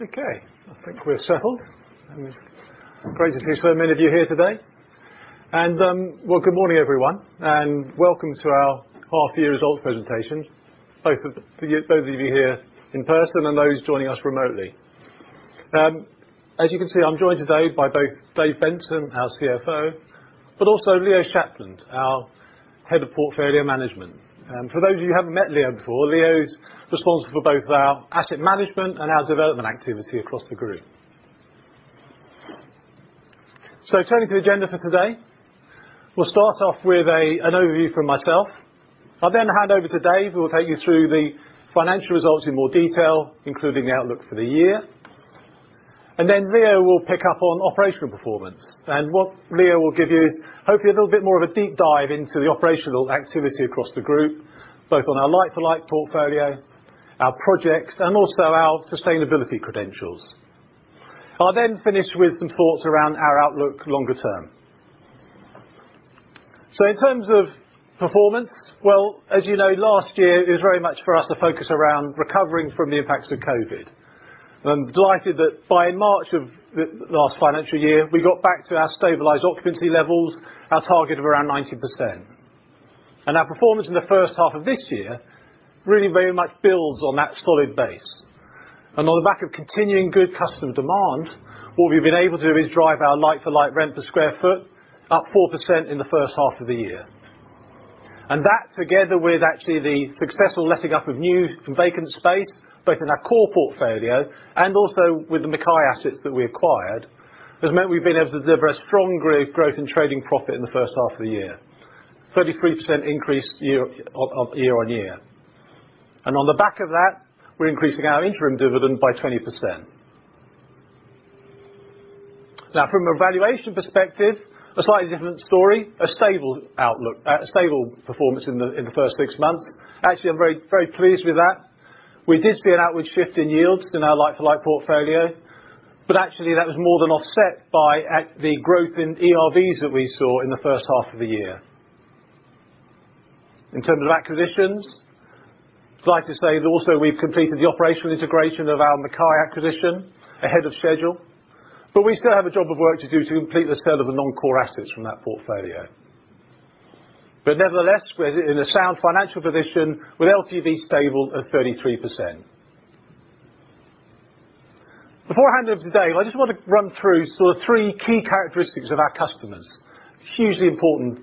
Okay, I think we're settled. Great to see so many of you here today. Well, good morning, everyone, and welcome to our half year result presentation, both of you here in person and those joining us remotely. As you can see, I'm joined today by both Dave Benson, our CFO, but also Leo Shapland, our Head of Portfolio Management. For those of you who haven't met Leo before, Leo's responsible for both our asset management and our development activity across the group. Turning to the agenda for today, we'll start off with an overview from myself. I'll then hand over to Dave, who will take you through the financial results in more detail, including the outlook for the year. Leo will pick up on operational performance. What Leo will give you is hopefully a little bit more of a deep dive into the operational activity across the group, both on our like-for-like portfolio, our projects, and also our sustainability credentials. I'll then finish with some thoughts around our outlook longer term. In terms of performance, well, as you know, last year it was very much for us to focus around recovering from the impacts of COVID. I'm delighted that by March of the last financial year, we got back to our stabilized occupancy levels, our target of around 90%. Our performance in the first half of this year really very much builds on that solid base. On the back of continuing good customer demand, what we've been able to do is drive our like-for-like rent per sq ft up 4% in the first half of the year. That, together with actually the successful letting up of new and vacant space, both in our core portfolio and also with the McKay assets that we acquired, has meant we've been able to deliver a strong growth in trading profit in the first half of the year. 33% increase year on year. On the back of that, we're increasing our interim dividend by 20%. Now from a valuation perspective, a slightly different story, a stable outlook, stable performance in the first six months. Actually, I'm very pleased with that. We did see an outward shift in yields in our like-for-like portfolio, but actually, that was more than offset by the growth in ERVs that we saw in the first half of the year. In terms of acquisitions, delighted to say that also we've completed the operational integration of our McKay acquisition ahead of schedule. We still have a job of work to do to complete the sale of the non-core assets from that portfolio. Nevertheless, we're in a sound financial position with LTV stable at 33%. Before I hand over to Dave, I just want to run through sort of three key characteristics of our customers, hugely important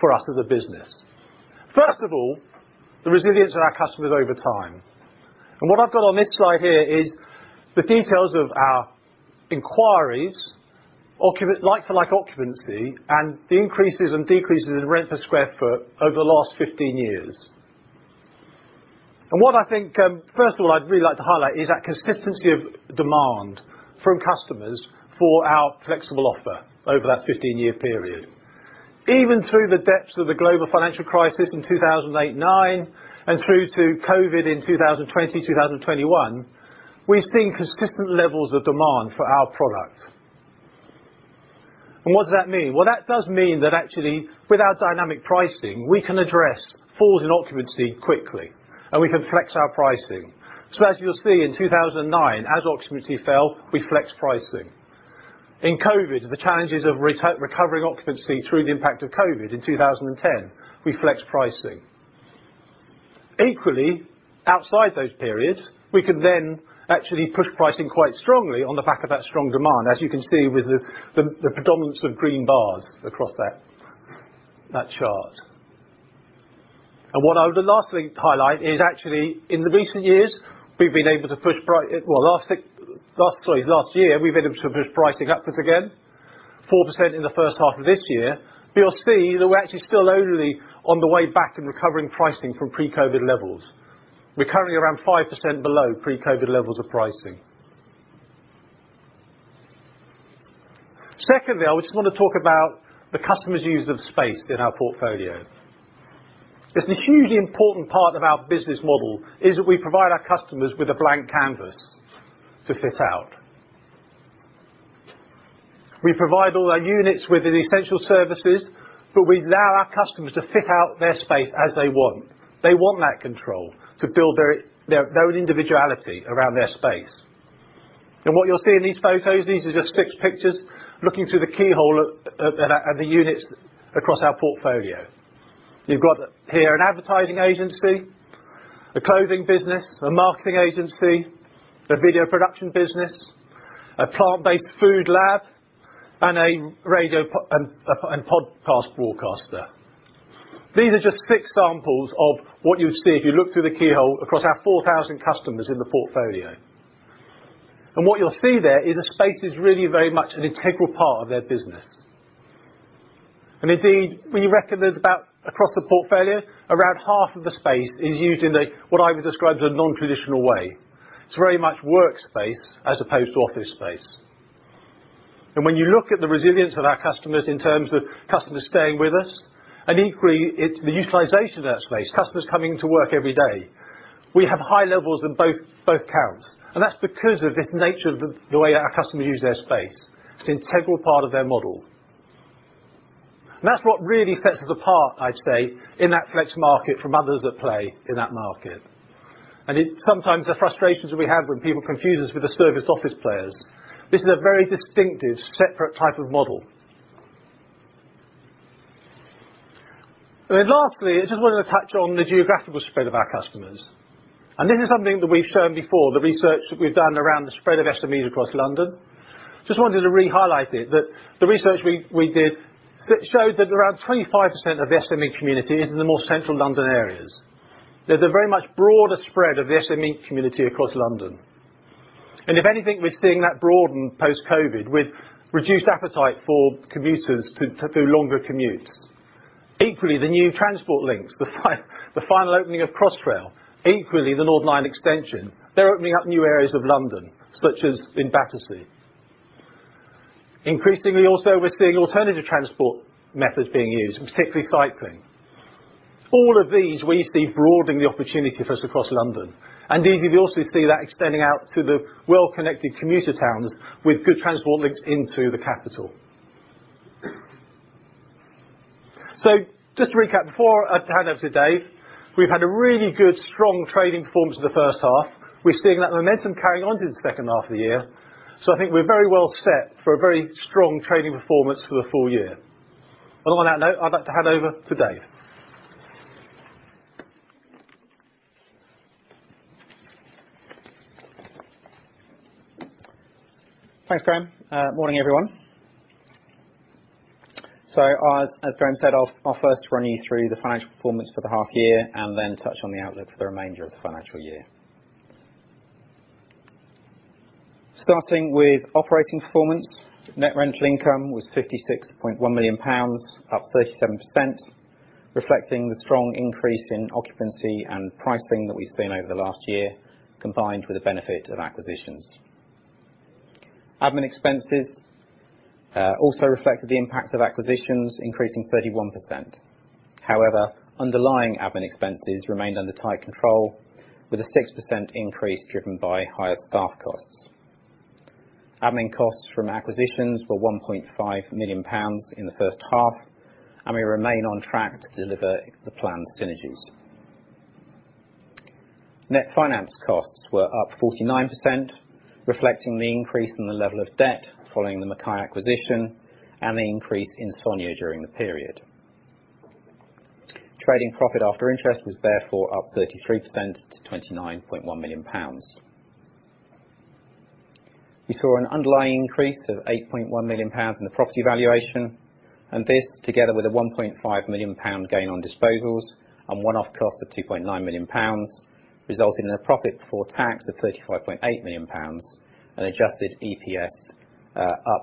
for us as a business. First of all, the resilience of our customers over time. What I've got on this slide here is the details of our inquiries, like to like occupancy, and the increases and decreases in rent per sq ft over the last 15 years. What I think, first of all, I'd really like to highlight is that consistency of demand from customers for our flexible offer over that 15-year period. Even through the depths of the global financial crisis in 2008 and 2009, and through to COVID in 2020, 2021, we've seen consistent levels of demand for our product. What does that mean? Well, that does mean that actually, with our dynamic pricing, we can address falls in occupancy quickly, and we can flex our pricing. As you'll see in 2009, as occupancy fell, we flexed pricing. In COVID, the challenges of recovering occupancy through the impact of COVID in 2010, we flexed pricing. Equally, outside those periods, we can then actually push pricing quite strongly on the back of that strong demand, as you can see with the predominance of green bars across that chart. What I would lastly highlight is actually, in the recent years, we've been able to push, well, last year, we've been able to push pricing upwards again, 4% in the first half of this year. You'll see that we're actually still only on the way back in recovering pricing from pre-COVID levels. We're currently around 5% below pre-COVID levels of pricing. Secondly, I just want to talk about the customers' use of space in our portfolio. It's a hugely important part of our business model, is that we provide our customers with a blank canvas to fit out. We provide all our units with the essential services, but we allow our customers to fit out their space as they want. They want that control to build their own individuality around their space. What you'll see in these photos, these are just six pictures looking through the keyhole at the units across our portfolio. You've got here an advertising agency, a clothing business, a marketing agency, a video production business, a plant-based food lab, and a podcast broadcaster. These are just six samples of what you'd see if you look through the keyhole across our 4,000 customers in the portfolio. What you'll see there is the space is really very much an integral part of their business. Indeed, when you reckon there's about, across the portfolio, around half of the space is used in a, what I would describe as a non-traditional way. It's very much work space as opposed to office space. When you look at the resilience of our customers in terms of customers staying with us, and equally, it's the utilization of that space, customers coming to work every day, we have high levels in both counts. That's because of this nature of the way our customers use their space. It's an integral part of their model. That's what really sets us apart, I'd say, in that flex market from others at play in that market. It's sometimes the frustrations that we have when people confuse us with the service office players. This is a very distinctive, separate type of model. Then lastly, I just wanted to touch on the geographical spread of our customers. This is something that we've shown before, the research that we've done around the spread of SMEs across London. Just wanted to re-highlight it, that the research we did shows that around 25% of the SME community is in the more central London areas. There's a very much broader spread of the SME community across London. If anything, we're seeing that broaden post-COVID with reduced appetite for commuters to do longer commutes. Equally, the new transport links, the final opening of Crossrail, equally the Northern Line extension, they're opening up new areas of London, such as in Battersea. Increasingly also, we're seeing alternative transport methods being used, particularly cycling. All of these we see broadening the opportunity for us across London. Indeed, we also see that extending out to the well-connected commuter towns with good transport links into the capital. Just to recap before I hand over to Dave, we've had a really good strong trading performance in the first half. We're seeing that momentum carrying on to the second half of the year. I think we're very well set for a very strong trading performance for the full year. On that note, I'd like to hand over to Dave. Thanks, Graham. Morning, everyone. As Graham said, I'll first run you through the financial performance for the half year and then touch on the outlook for the remainder of the financial year. Starting with operating performance, net rental income was 56.1 million pounds, up 37%, reflecting the strong increase in occupancy and pricing that we've seen over the last year, combined with the benefit of acquisitions. Admin expenses also reflected the impact of acquisitions, increasing 31%. However, underlying admin expenses remained under tight control with a 6% increase driven by higher staff costs. Admin costs from acquisitions were 1.5 million pounds in the first half, and we remain on track to deliver the planned synergies. Net finance costs were up 49%, reflecting the increase in the level of debt following the McKay acquisition and the increase in SONIA during the period. Trading profit after interest was therefore up 33% to 29.1 million pounds. We saw an underlying increase of 8.1 million pounds in the property valuation, and this, together with a 1.5 million pound gain on disposals and one-off cost of 2.9 million pounds, resulted in a profit before tax of 35.8 million pounds and Adjusted EPS up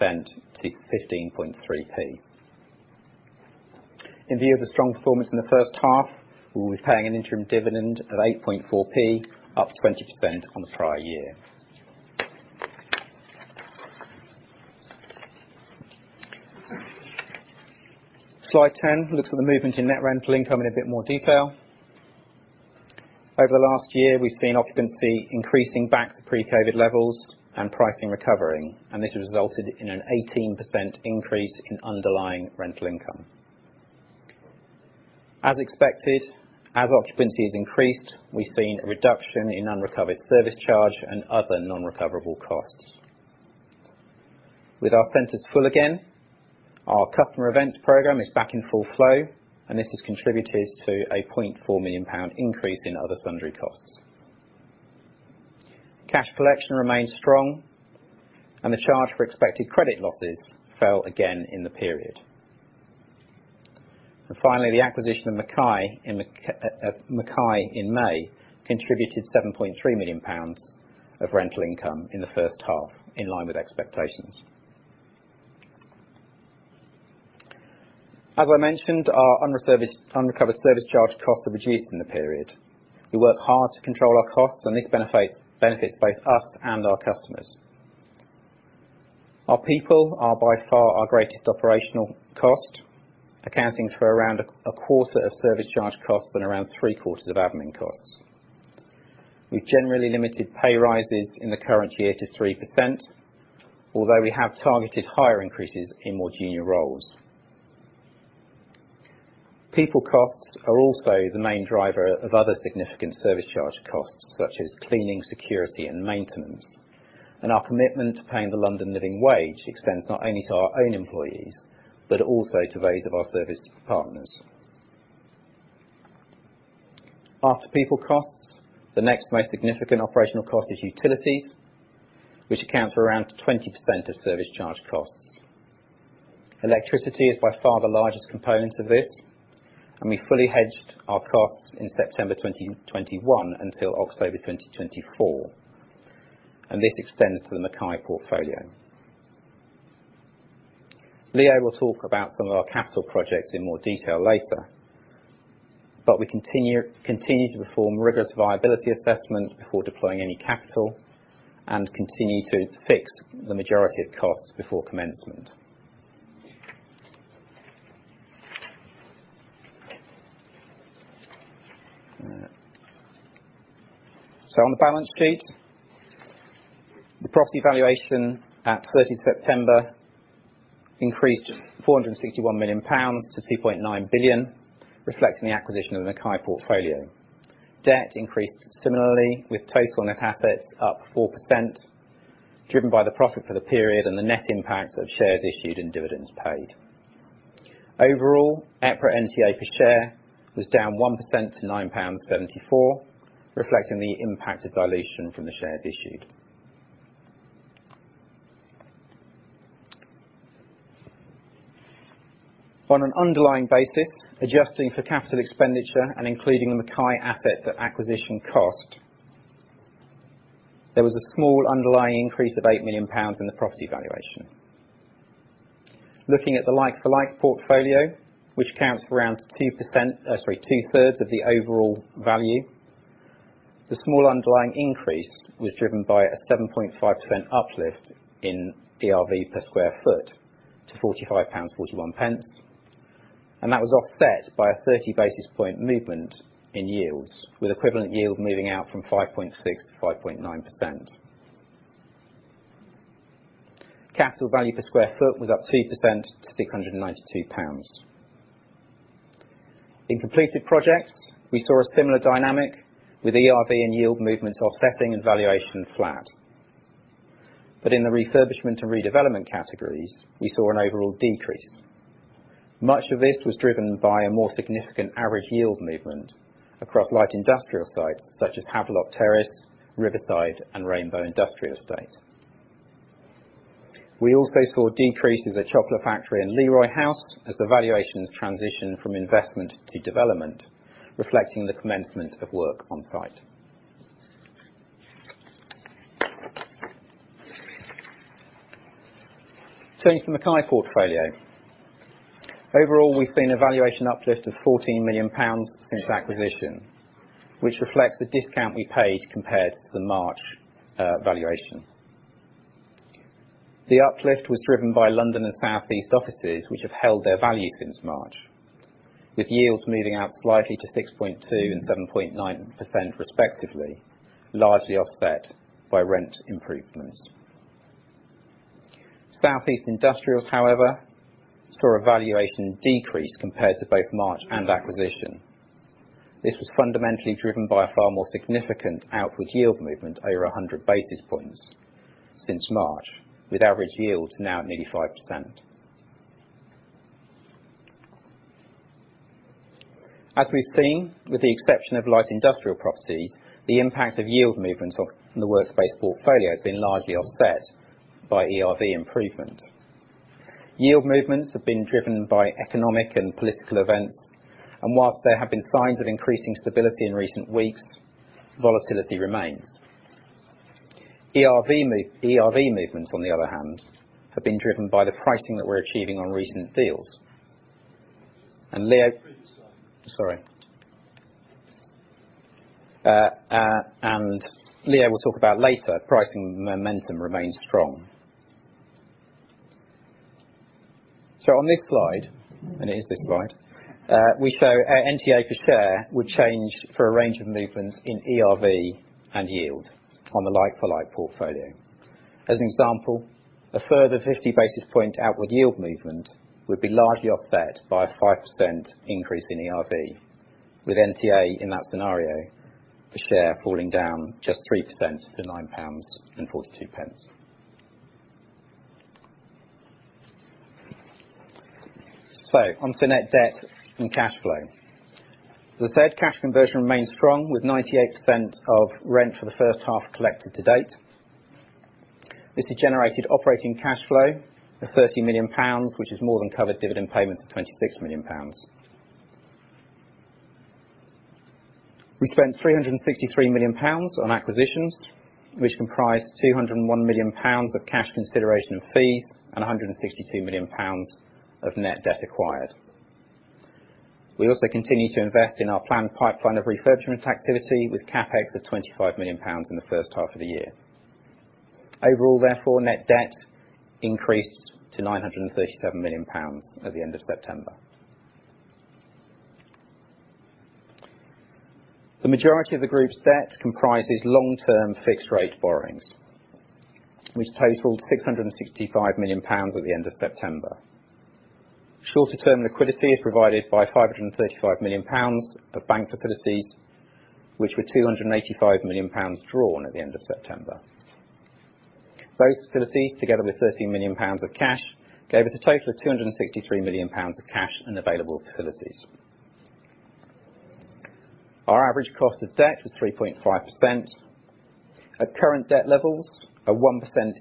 28% to 15.3p. In view of the strong performance in the first half, we will be paying an interim dividend of 8.4p, up 20% on the prior year. Slide 10 looks at the movement in net rental income in a bit more detail. Over the last year, we've seen occupancy increasing back to pre-COVID levels and pricing recovering, and this resulted in an 18% increase in underlying rental income. As expected, as occupancy has increased, we've seen a reduction in unrecovered service charge and other non-recoverable costs. With our centers full again, our customer events program is back in full flow, and this has contributed to a 0.4 million pound increase in other sundry costs. Cash collection remains strong, and the charge for expected credit losses fell again in the period. The acquisition of McKay in May contributed 7.3 million pounds of rental income in the first half, in line with expectations. As I mentioned, our unrecovered service charge costs are reduced in the period. We work hard to control our costs, and this benefits both us and our customers. Our people are by far our greatest operational cost, accounting for around a quarter of service charge costs and around three-quarters of admin costs. We've generally limited pay rises in the current year to 3%, although we have targeted higher increases in more junior roles. People costs are also the main driver of other significant service charge costs, such as cleaning, security, and maintenance. Our commitment to paying the London Living Wage extends not only to our own employees, but also to those of our service partners. After people costs, the next most significant operational cost is utilities, which accounts for around 20% of service charge costs. Electricity is by far the largest component of this, and we fully hedged our costs in September 2021 until October 2024, and this extends to the McKay portfolio. Leo will talk about some of our capital projects in more detail later, but we continue to perform rigorous viability assessments before deploying any capital, and continue to fix the majority of costs before commencement. On the balance sheet, the property valuation at 30th September increased to 461 million pounds to 2.9 billion, reflecting the acquisition of the McKay portfolio. Debt increased similarly with total net assets up 4% driven by the profit for the period and the net impact of shares issued and dividends paid. Overall, EPRA NTA per share was down 1 percent to 9.74 pounds, reflecting the impact of dilution from the shares issued. On an underlying basis, adjusting for capital expenditure and including the McKay assets at acquisition cost, there was a small underlying increase of 8 million pounds in the property valuation. Looking at the like-for-like portfolio, which accounts for around two-thirds of the overall value, the small underlying increase was driven by a 7.5% uplift in ERV per sq ft to 45.41 pounds, and that was offset by a 30 basis point movement in yields with equivalent yield moving out from 5.6%-5.9%. Capital value per sq ft was up 2% to 692 pounds. In completed projects, we saw a similar dynamic with ERV and yield movements offsetting and valuation flat. In the refurbishment and redevelopment categories, we saw an overall decrease. Much of this was driven by a more significant average yield movement across light industrial sites such as Havelock Terrace, Riverside and Rainbow Industrial Estate. We also saw decreases at Chocolate Factory and Leroy House as the valuations transition from investment to development, reflecting the commencement of work on site. Turning to the McKay portfolio. Overall, we've seen a valuation uplift of 14 million pounds since acquisition, which reflects the discount we paid compared to the March valuation. The uplift was driven by London and South East offices, which have held their value since March, with yields moving out slightly to 6.2% and 7.9% respectively, largely offset by rent improvements. South East Industrials, however, saw a valuation decrease compared to both March and acquisition. This was fundamentally driven by a far more significant outward yield movement over 100 basis points since March, with average yields now at nearly 5%. As we've seen, with the exception of light industrial properties, the impact of yield movement of the Workspace portfolio has been largely offset by ERV improvement. Yield movements have been driven by economic and political events, and while there have been signs of increasing stability in recent weeks, volatility remains. ERV movements, on the other hand, have been driven by the pricing that we're achieving on recent deals. Please start. Leo will talk about later, pricing momentum remains strong. On this slide, and it is this slide, we show NTA per share would change for a range of movements in ERV and yield on the like-for-like portfolio. As an example, a further 50 basis points outward yield movement would be largely offset by a 5% increase in ERV. With NTA in that scenario, the share falling down just 3% to 9.42 pounds. Onto net debt and cash flow. The cash conversion remains strong with 98% of rent for the first half collected to date. This has generated operating cash flow of 30 million pounds, which has more than covered dividend payments of 26 million pounds. We spent 363 million pounds on acquisitions, which comprised 201 million pounds of cash consideration and fees and 162 million pounds of net debt acquired. We also continue to invest in our planned pipeline of refurbishment activity with CapEx of 25 million pounds in the first half of the year. Overall, therefore, net debt increased to 937 million pounds at the end of September. The majority of the group's debt comprises long-term fixed-rate borrowings, which totaled 665 million pounds at the end of September. Shorter-term liquidity is provided by 535 million pounds of bank facilities, which were 285 million pounds drawn at the end of September. Those facilities, together with 13 million pounds of cash, gave us a total of 263 million pounds of cash and available facilities. Our average cost of debt was 3.5%. At current debt levels, a 1%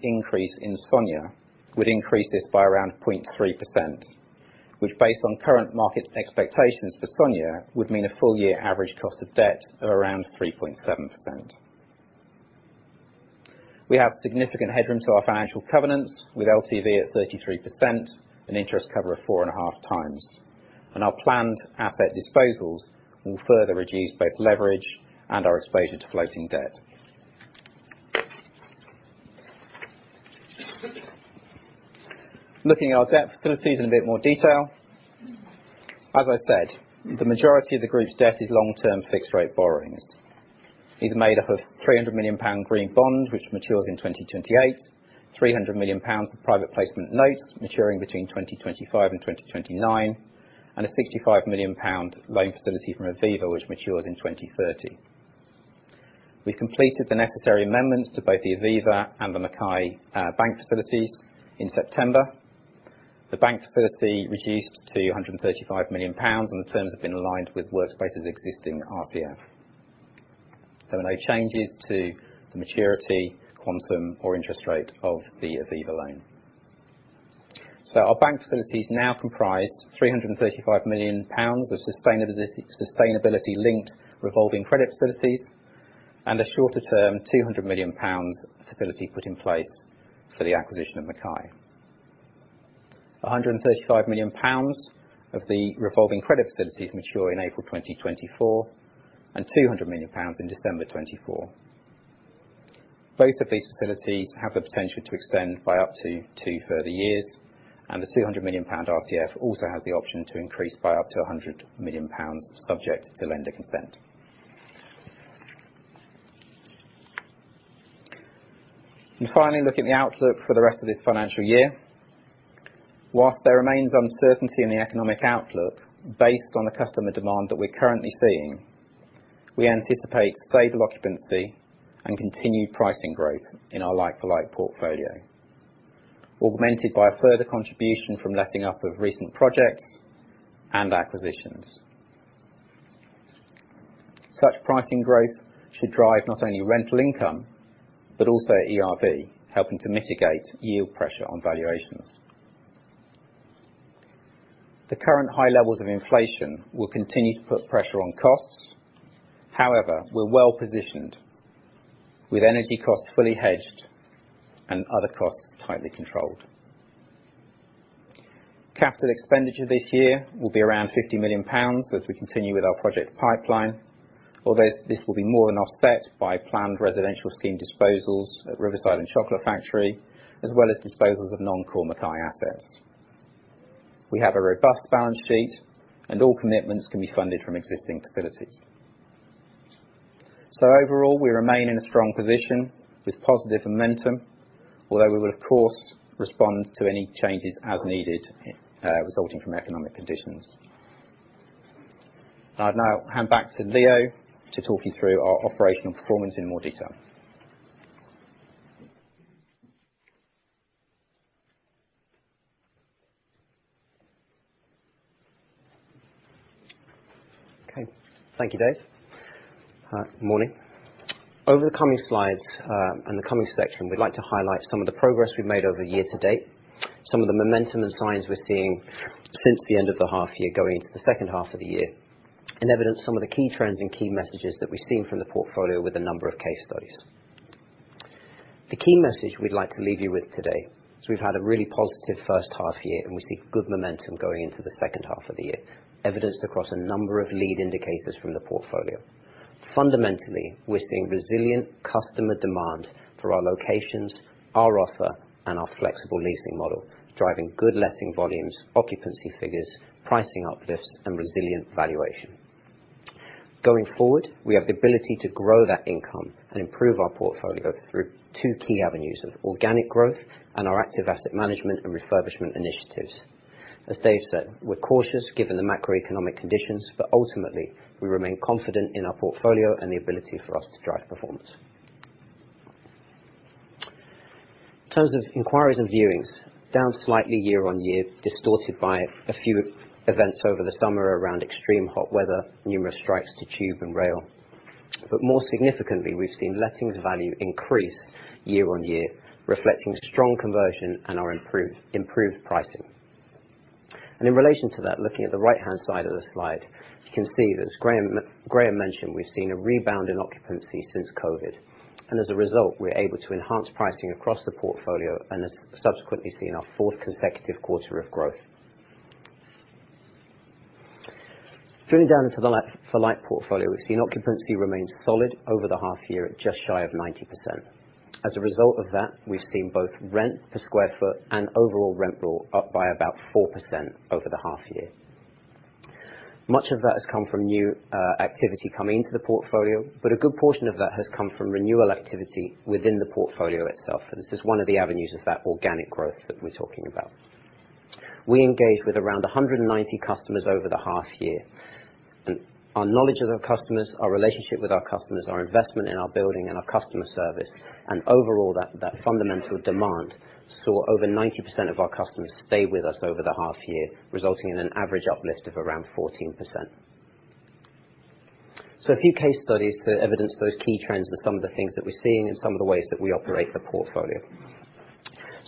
increase in SONIA would increase this by around 0.3%, which based on current market expectations for SONIA, would mean a full year average cost of debt of around 3.7%. We have significant headroom to our financial covenants with LTV at 33% and interest cover of 4.5 times. Our planned asset disposals will further reduce both leverage and our exposure to floating debt. Looking at our debt facilities in a bit more detail. As I said, the majority of the group's debt is long-term fixed rate borrowings. It's made up of 300 million pound green bond, which matures in 2028, 300 million pounds of private placement notes maturing between 2025 and 2029, and a 65 million pound loan facility from Aviva, which matures in 2030. We completed the necessary amendments to both the Aviva and the McKay bank facilities in September. The bank facility reduced to 135 million pounds, and the terms have been aligned with Workspace's existing RCF. There were no changes to the maturity, quantum, or interest rate of the Aviva loan. Our bank facilities now comprise 335 million pounds of sustainability-linked revolving credit facilities and a shorter-term 200 million pounds facility put in place for the acquisition of McKay. 135 million pounds of the revolving credit facilities mature in April 2024, and 200 million pounds in December 2024. Both of these facilities have the potential to extend by up to 2 further years, and the 200 million pound RCF also has the option to increase by up to 100 million pounds subject to lender consent. Finally, looking at the outlook for the rest of this financial year. While there remains uncertainty in the economic outlook, based on the customer demand that we're currently seeing, we anticipate stable occupancy and continued pricing growth in our like-for-like portfolio, augmented by further contribution from letting up of recent projects and acquisitions. Such pricing growth should drive not only rental income, but also ERV, helping to mitigate yield pressure on valuations. The current high levels of inflation will continue to put pressure on costs. However, we're well-positioned, with energy costs fully hedged and other costs tightly controlled. Capital expenditure this year will be around 50 million pounds as we continue with our project pipeline. Although this will be more than offset by planned residential scheme disposals at Riverside and Chocolate Factory, as well as disposals of non-core McKay assets. We have a robust balance sheet, and all commitments can be funded from existing facilities. Overall, we remain in a strong position with positive momentum, although we will of course, respond to any changes as needed, resulting from economic conditions. I'd now hand back to Leo to talk you through our operational performance in more detail. Okay. Thank you, Dave. Morning. Over the coming slides, and the coming section, we'd like to highlight some of the progress we've made over year-to-date, some of the momentum and signs we're seeing since the end of the half year going into the second half of the year, and evidence some of the key trends and key messages that we've seen from the portfolio with a number of case studies. The key message we'd like to leave you with today is we've had a really positive first half year, and we see good momentum going into the second half of the year, evidenced across a number of lead indicators from the portfolio. Fundamentally, we're seeing resilient customer demand for our locations, our offer, and our flexible leasing model, driving good letting volumes, occupancy figures, pricing uplifts, and resilient valuation. Going forward, we have the ability to grow that income and improve our portfolio through two key avenues of organic growth and our active asset management and refurbishment initiatives. As Dave said, we're cautious given the macroeconomic conditions, but ultimately, we remain confident in our portfolio and the ability for us to drive performance. In terms of inquiries and viewings, down slightly year-over-year, distorted by a few events over the summer around extreme hot weather, numerous strikes to tube and rail. More significantly, we've seen lettings value increase year-over-year, reflecting strong conversion and our improved pricing. In relation to that, looking at the right-hand side of the slide, you can see, as Graham mentioned, we've seen a rebound in occupancy since COVID, and as a result, we're able to enhance pricing across the portfolio and has subsequently seen our fourth consecutive quarter of growth. Drilling down into the like-for-like portfolio, we've seen occupancy remains solid over the half year at just shy of 90%. As a result of that, we've seen both rent per sq ft and overall rent bill up by about 4% over the half year. Much of that has come from new activity coming into the portfolio, but a good portion of that has come from renewal activity within the portfolio itself. This is one of the avenues of that organic growth that we're talking about. We engaged with around 190 customers over the half year. Our knowledge of our customers, our relationship with our customers, our investment in our building and our customer service, and overall, that fundamental demand saw over 90% of our customers stay with us over the half year, resulting in an average uplift of around 14%. A few case studies to evidence those key trends and some of the things that we're seeing and some of the ways that we operate the portfolio.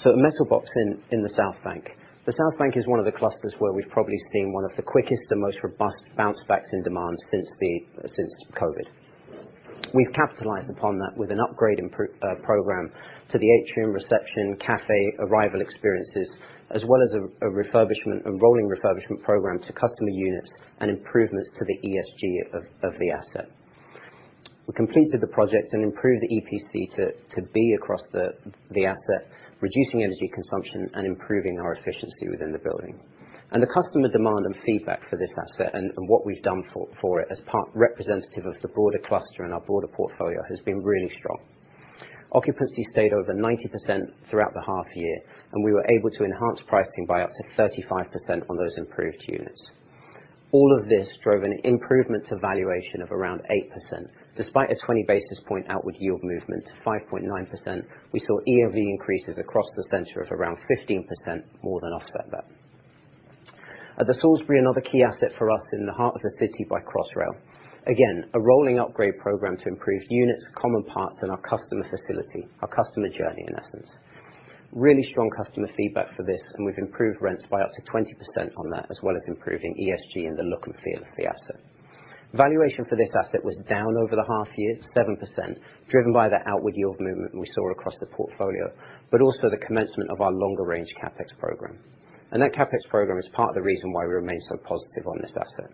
At Metal Box in the South Bank. The South Bank is one of the clusters where we've probably seen one of the quickest and most robust bounce backs in demand since COVID. We've capitalized upon that with an upgrade program to the atrium reception, cafe arrival experiences, as well as a refurbishment, a rolling refurbishment program to customer units and improvements to the ESG of the asset. We completed the project and improved the EPC to be across the asset, reducing energy consumption and improving our efficiency within the building. The customer demand and feedback for this asset and what we've done for it as part representative of the broader cluster and our broader portfolio has been really strong. Occupancy stayed over 90% throughout the half year, and we were able to enhance pricing by up to 35% on those improved units. All of this drove an improvement to valuation of around 8% despite a 20 basis point outward yield movement to 5.9%. We saw ERV increases across the center of around 15% more than offset that. At The Salisbury, another key asset for us in the heart of the city by Crossrail. Again, a rolling upgrade program to improve units, common parts, and our customer facility, our customer journey, in essence. Really strong customer feedback for this, and we've improved rents by up to 20% on that, as well as improving ESG and the look and feel of the asset. Valuation for this asset was down over the half year, 7%, driven by the outward yield movement we saw across the portfolio, but also the commencement of our longer-range CapEx program. That CapEx program is part of the reason why we remain so positive on this asset.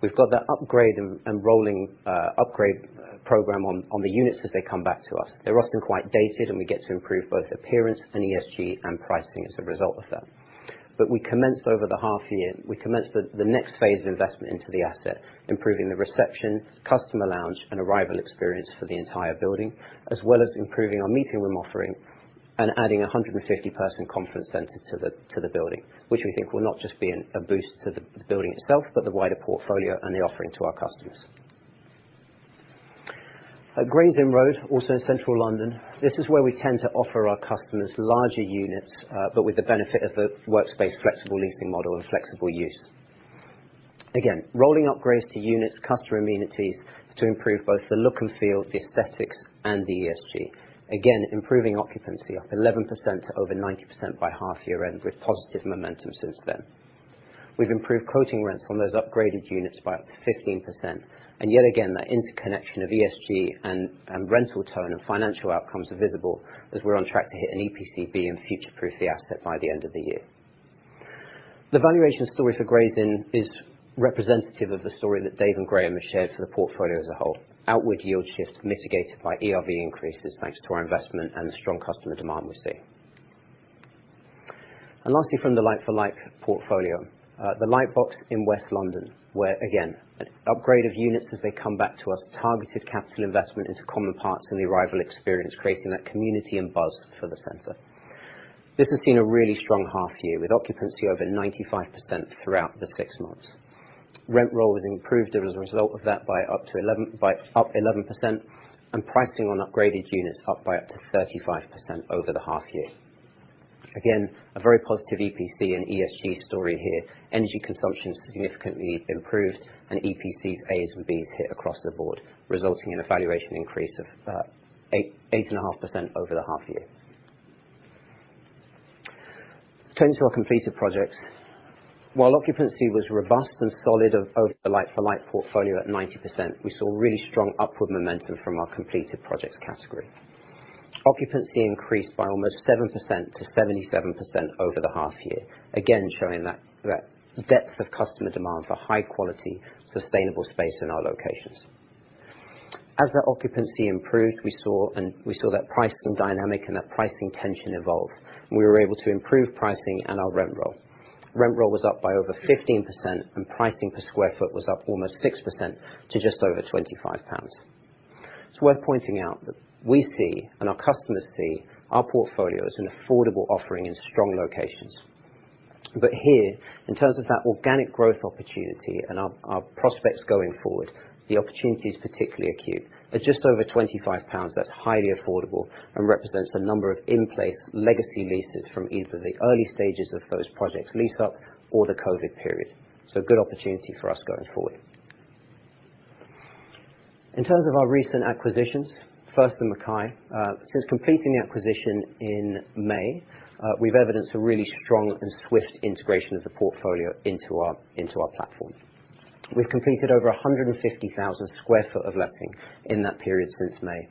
We've got that upgrade and rolling upgrade program on the units as they come back to us. They're often quite dated, and we get to improve both appearance and ESG and pricing as a result of that. We commenced over the half year. We commenced the next phase of investment into the asset, improving the reception, customer lounge, and arrival experience for the entire building, as well as improving our meeting room offering and adding a 150-person conference center to the building, which we think will not just be a boost to the building itself, but the wider portfolio and the offering to our customers. At Gray's Inn Road, also in central London, this is where we tend to offer our customers larger units, but with the benefit of the Workspace flexible leasing model and flexible use. Again, rolling upgrades to units, customer amenities to improve both the look and feel, the aesthetics and the ESG. Again, improving occupancy up 11% to over 90% by half-year end with positive momentum since then. We've improved quoting rents on those upgraded units by up to 15%. Yet again, that interconnection of ESG and rental tone and financial outcomes are visible as we're on track to hit an EPC B and future-proof the asset by the end of the year. The valuation story for Gray's Inn is representative of the story that Dave and Graham have shared for the portfolio as a whole. Outward yield shifts mitigated by ERV increases, thanks to our investment and the strong customer demand we see. Lastly, from the like-for-like portfolio, The Lightbox in West London, where again, an upgrade of units as they come back to us, targeted capital investment into common parts in the arrival experience, creating that community and buzz for the center. This has seen a really strong half year with occupancy over 95% throughout the six months. Rent roll was improved as a result of that by up to 11% and pricing on upgraded units up by up to 35% over the half year. Again, a very positive EPC and ESG story here. Energy consumption significantly improved and EPC As and Bs hit across the board, resulting in a valuation increase of 8.5% over the half year. Turning to our completed projects. While occupancy was robust and solid over the like-for-like portfolio at 90%, we saw really strong upward momentum from our completed projects category. Occupancy increased by almost 7%-77% over the half year. Again, showing that depth of customer demand for high-quality, sustainable space in our locations. As that occupancy improved, we saw that pricing dynamic and that pricing tension evolve, and we were able to improve pricing and our rent roll. Rent roll was up by over 15%, and pricing per sq ft was up almost 6% to just over 25 pounds. It's worth pointing out that we see and our customers see our portfolio as an affordable offering in strong locations. Here, in terms of that organic growth opportunity and our prospects going forward, the opportunity is particularly acute. At just over 25 pounds, that's highly affordable and represents a number of in-place legacy leases from either the early stages of those projects lease-up or the COVID period. A good opportunity for us going forward. In terms of our recent acquisitions, first in McKay. Since completing the acquisition in May, we've evidenced a really strong and swift integration of the portfolio into our, into our platform. We've completed over 150,000 sq ft of letting in that period since May,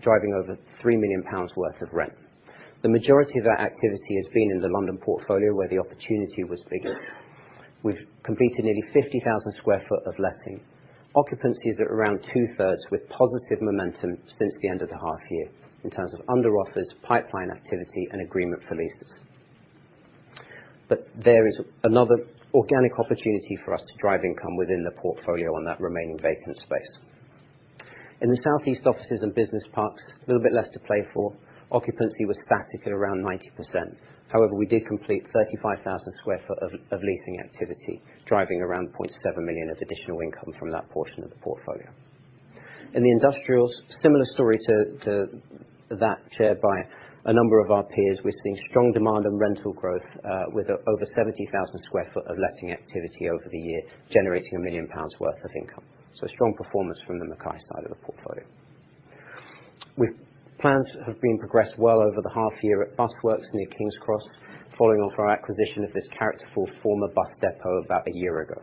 driving over 3 million pounds worth of rent. The majority of that activity has been in the London portfolio where the opportunity was biggest. We've completed nearly 50,000 sq ft of letting. Occupancy is at around two-thirds, with positive momentum since the end of the half year in terms of under offers, pipeline activity and agreement for leases. There is another organic opportunity for us to drive income within the portfolio on that remaining vacant space. In the South East offices and business parks, a little bit less to play for. Occupancy was static at around 90%. However, we did complete 35,000 sq ft of leasing activity, driving around 0.7 million of additional income from that portion of the portfolio. In the industrials, similar story to that shared by a number of our peers. We're seeing strong demand and rental growth, with over 70,000 sq ft of letting activity over the year, generating 1 million pounds worth of income. Strong performance from the McKay side of the portfolio. Plans have been progressed well over the half year at Busworks near King's Cross, following our acquisition of this characterful former bus depot about a year ago.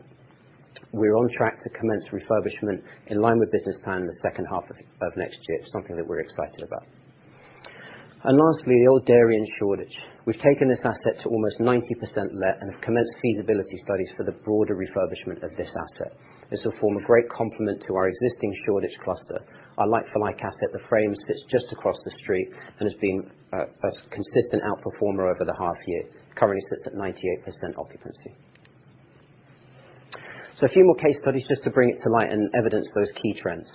We're on track to commence refurbishment in line with business plan in the second half of next year, something that we're excited about. Lastly, Aldwych and Shoreditch. We've taken this asset to almost 90% let and have commenced feasibility studies for the broader refurbishment of this asset. This will form a great complement to our existing Shoreditch cluster, our like-for-like asset. The Frames sits just across the street and has been a consistent outperformer over the half year. It currently sits at 98% occupancy. A few more case studies just to bring it to light and evidence those key trends.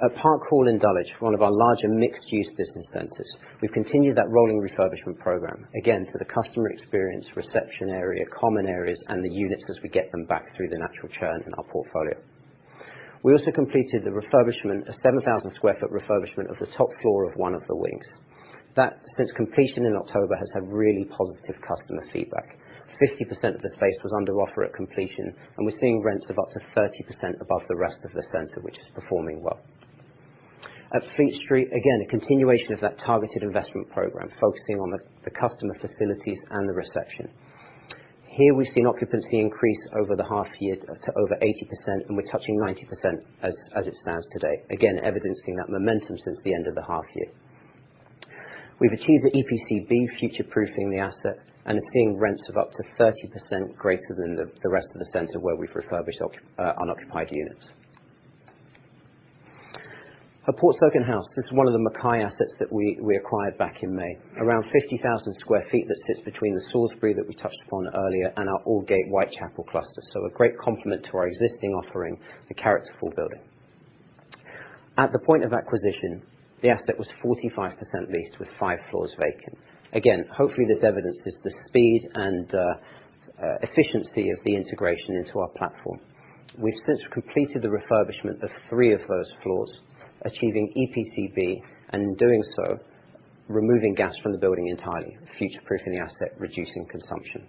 At Parkhall in Dulwich, one of our larger mixed-use business centers, we've continued that rolling refurbishment program, again, to the customer experience, reception area, common areas, and the units as we get them back through the natural churn in our portfolio. We also completed the refurbishment, a 7,000 sq ft refurbishment of the top floor of one of the wings. That, since completion in October, has had really positive customer feedback. 50% of the space was under offer at completion, and we're seeing rents of up to 30% above the rest of the center, which is performing well. At Fleet Street, again, a continuation of that targeted investment program, focusing on the customer facilities and the reception. Here we've seen occupancy increase over the half year to over 80%, and we're touching 90% as it stands today. Again, evidencing that momentum since the end of the half year. We've achieved the EPC-B future-proofing the asset and are seeing rents of up to 30% greater than the rest of the center where we've refurbished unoccupied units. At Portsoken House, this is one of the McKay assets that we acquired back in May. Around 50,000 sq ft that sits between the Salisbury that we touched upon earlier and our Aldgate Whitechapel cluster, so a great complement to our existing offering, a characterful building. At the point of acquisition, the asset was 45% leased with 5 floors vacant. Again, hopefully this evidences the speed and efficiency of the integration into our platform. We've since completed the refurbishment of 3 of those floors, achieving EPC-B, and in doing so, removing gas from the building entirely, future-proofing the asset, reducing consumption.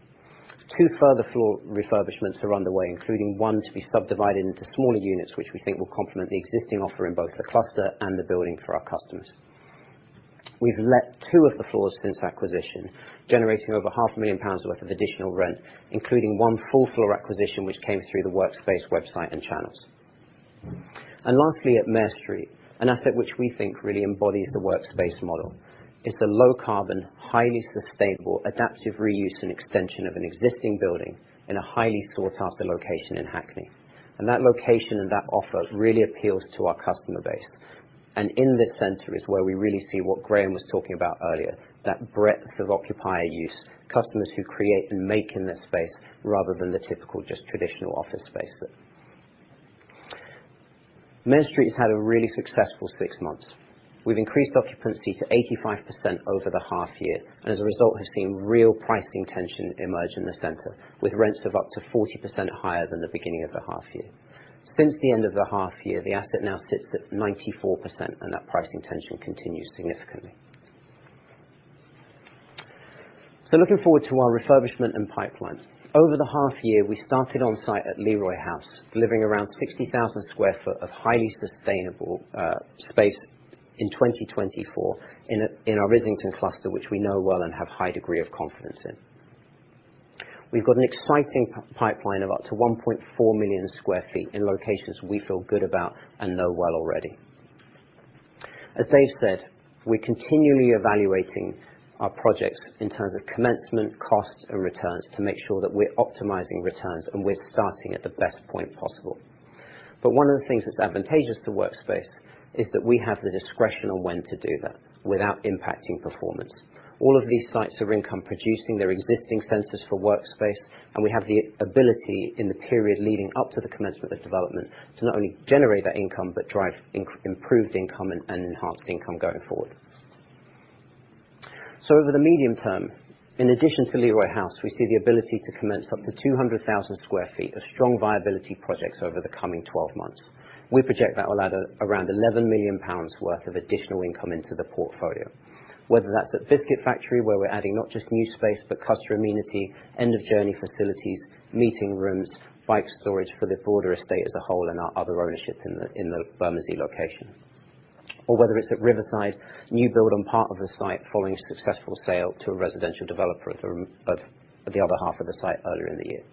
2 further floor refurbishments are underway, including one to be subdivided into smaller units, which we think will complement the existing offer in both the cluster and the building for our customers. We've let two of the floors since acquisition, generating over half a million pounds worth of additional rent, including one full floor acquisition which came through the Workspace website and channels. Lastly, at Mare Street, an asset which we think really embodies the Workspace model. It's a low carbon, highly sustainable, adaptive reuse and extension of an existing building in a highly sought after location in Hackney. That location and that offer really appeals to our customer base. In this center is where we really see what Graham was talking about earlier, that breadth of occupier use, customers who create and make in this space rather than the typical just traditional office space. Mare Street has had a really successful six months. We've increased occupancy to 85% over the half year, and as a result, has seen real pricing tension emerge in the center, with rents of up to 40% higher than the beginning of the half year. Since the end of the half year, the asset now sits at 94%, and that pricing tension continues significantly. Looking forward to our refurbishment and pipeline. Over the half year, we started on site at Leroy House, delivering around 60,000 sq ft of highly sustainable space in 2024 in our Islington cluster, which we know well and have high degree of confidence in. We've got an exciting pipeline of up to 1.4 million sq ft in locations we feel good about and know well already. As Dave said, we're continually evaluating our projects in terms of commencement, costs, and returns to make sure that we're optimizing returns, and we're starting at the best point possible. One of the things that's advantageous to Workspace is that we have the discretion on when to do that without impacting performance. All of these sites are income producing, they're existing centers for Workspace, and we have the ability in the period leading up to the commencement of development to not only generate that income but drive improved income and enhanced income going forward. Over the medium term, in addition to Leroy House, we see the ability to commence up to 200,000 sq ft of strong viability projects over the coming twelve months. We project that will add around 11 million pounds worth of additional income into the portfolio. Whether that's at Biscuit Factory, where we're adding not just new space, but customer amenity, end-of-journey facilities, meeting rooms, bike storage for the broader estate as a whole and our other ownership in the Bermondsey location. Or whether it's at Riverside, new build on part of the site following a successful sale to a residential developer of the other half of the site earlier in the year.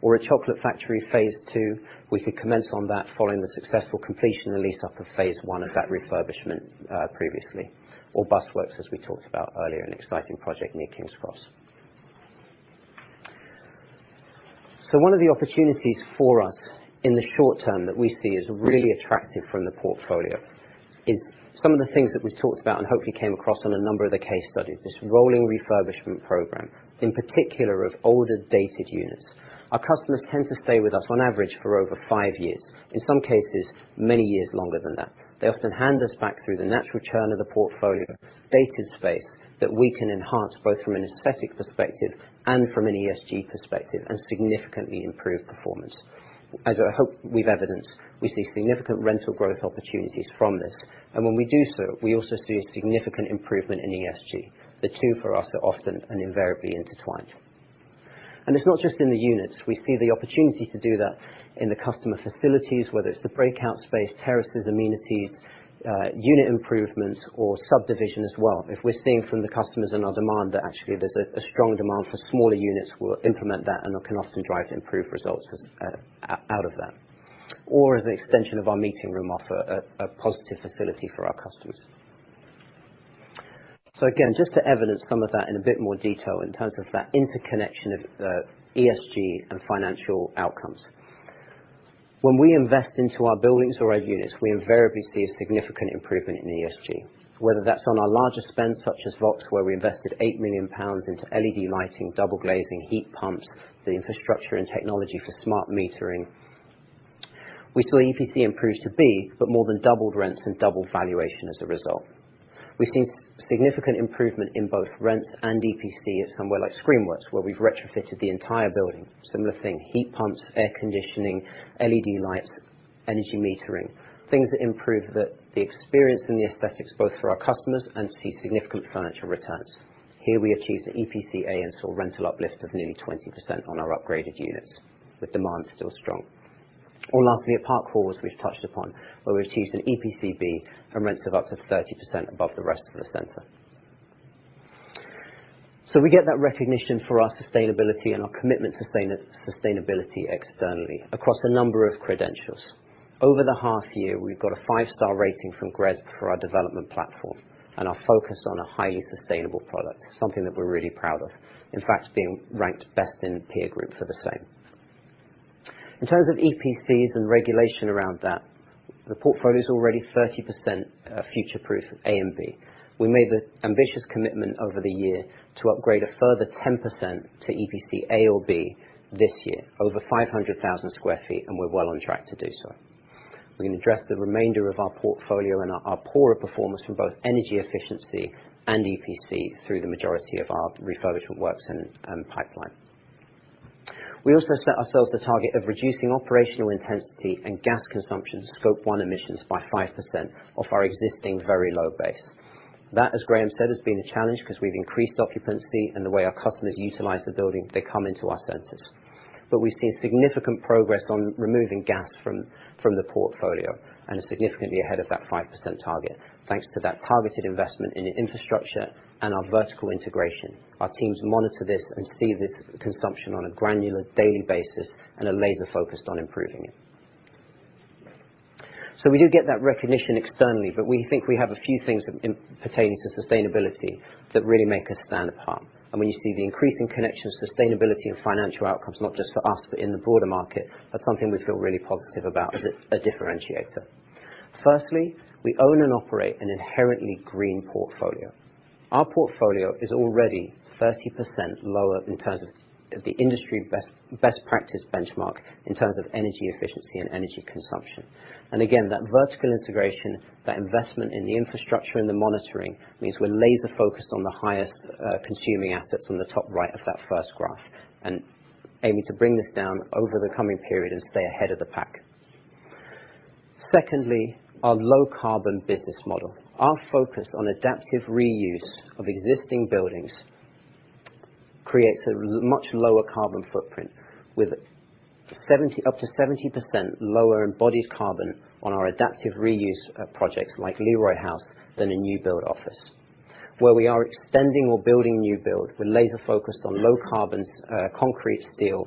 Or at Chocolate Factory phase II, we could commence on that following the successful completion and lease up of phase I of that refurbishment, previously. Or Busworks, as we talked about earlier, an exciting project near King's Cross. One of the opportunities for us in the short term that we see as really attractive from the portfolio is some of the things that we've talked about and hopefully came across on a number of the case studies, this rolling refurbishment program, in particular of older dated units. Our customers tend to stay with us on average for over five years, in some cases, many years longer than that. They often hand us back through the natural churn of the portfolio, dated space that we can enhance both from an aesthetic perspective and from an ESG perspective, and significantly improve performance. As I hope we've evidenced, we see significant rental growth opportunities from this, and when we do so, we also see a significant improvement in ESG. The two for us are often and invariably intertwined. It's not just in the units. We see the opportunity to do that in the customer facilities, whether it's the breakout space, terraces, amenities, unit improvements or subdivision as well. If we're seeing from the customers and our demand that actually there's a strong demand for smaller units, we'll implement that and can often drive improved results as a result of that. As an extension of our meeting room offer, a positive facility for our customers. Again, just to evidence some of that in a bit more detail in terms of that interconnection of ESG and financial outcomes. When we invest into our buildings or our units, we invariably see a significant improvement in ESG. Whether that's on our larger spends, such as Vox, where we invested 8 million pounds into LED lighting, double glazing, heat pumps, the infrastructure and technology for smart metering. We saw EPC improve to B, but more than doubled rents and doubled valuation as a result. We've seen significant improvement in both rents and EPC at somewhere like Screenworks, where we've retrofitted the entire building. Similar thing, heat pumps, air conditioning, LED lights, energy metering, things that improve the experience and the aesthetics both for our customers and see significant financial returns. Here we achieved an EPC A and saw rental uplift of nearly 20% on our upgraded units, with demand still strong. Lastly, at Parkhall, we've touched upon, where we've achieved an EPC B from rents of up to 30% above the rest of the center. We get that recognition for our sustainability and our commitment to sustainability externally across a number of credentials. Over the half year, we've got a five-star rating from GRESB for our development platform and our focus on a highly sustainable product, something that we're really proud of. In fact, being ranked best in peer group for the same. In terms of EPCs and regulation around that, the portfolio's already 30%, future-proofed A and B. We made the ambitious commitment over the year to upgrade a further 10% to EPC A or B this year, over 500,000 sq ft, and we're well on track to do so. We're gonna address the remainder of our portfolio and our poorer performance from both energy efficiency and EPC through the majority of our refurbishment works and pipeline. We also set ourselves the target of reducing operational intensity and gas consumption scope one emissions by 5% off our existing very low base. That, as Graham said, has been a challenge because we've increased occupancy and the way our customers utilize the building. They come into our centers. We see a significant progress on removing gas from the portfolio and are significantly ahead of that 5% target thanks to that targeted investment in the infrastructure and our vertical integration. Our teams monitor this and see this consumption on a granular daily basis and are laser-focused on improving it. We do get that recognition externally, but we think we have a few things pertaining to sustainability that really make us stand apart. When you see the increasing connection of sustainability and financial outcomes, not just for us, but in the broader market, that's something we feel really positive about as a differentiator. Firstly, we own and operate an inherently green portfolio. Our portfolio is already 30% lower in terms of the industry best practice benchmark in terms of energy efficiency and energy consumption. Again, that vertical integration, that investment in the infrastructure and the monitoring, means we're laser-focused on the highest consuming assets on the top right of that first graph, and aiming to bring this down over the coming period and stay ahead of the pack. Secondly, our low carbon business model. Our focus on adaptive reuse of existing buildings creates a much lower carbon footprint with up to 70% lower embodied carbon on our adaptive reuse projects like Leroy House than a new build office. Where we are extending or building new build, we're laser-focused on low carbon concrete, steel,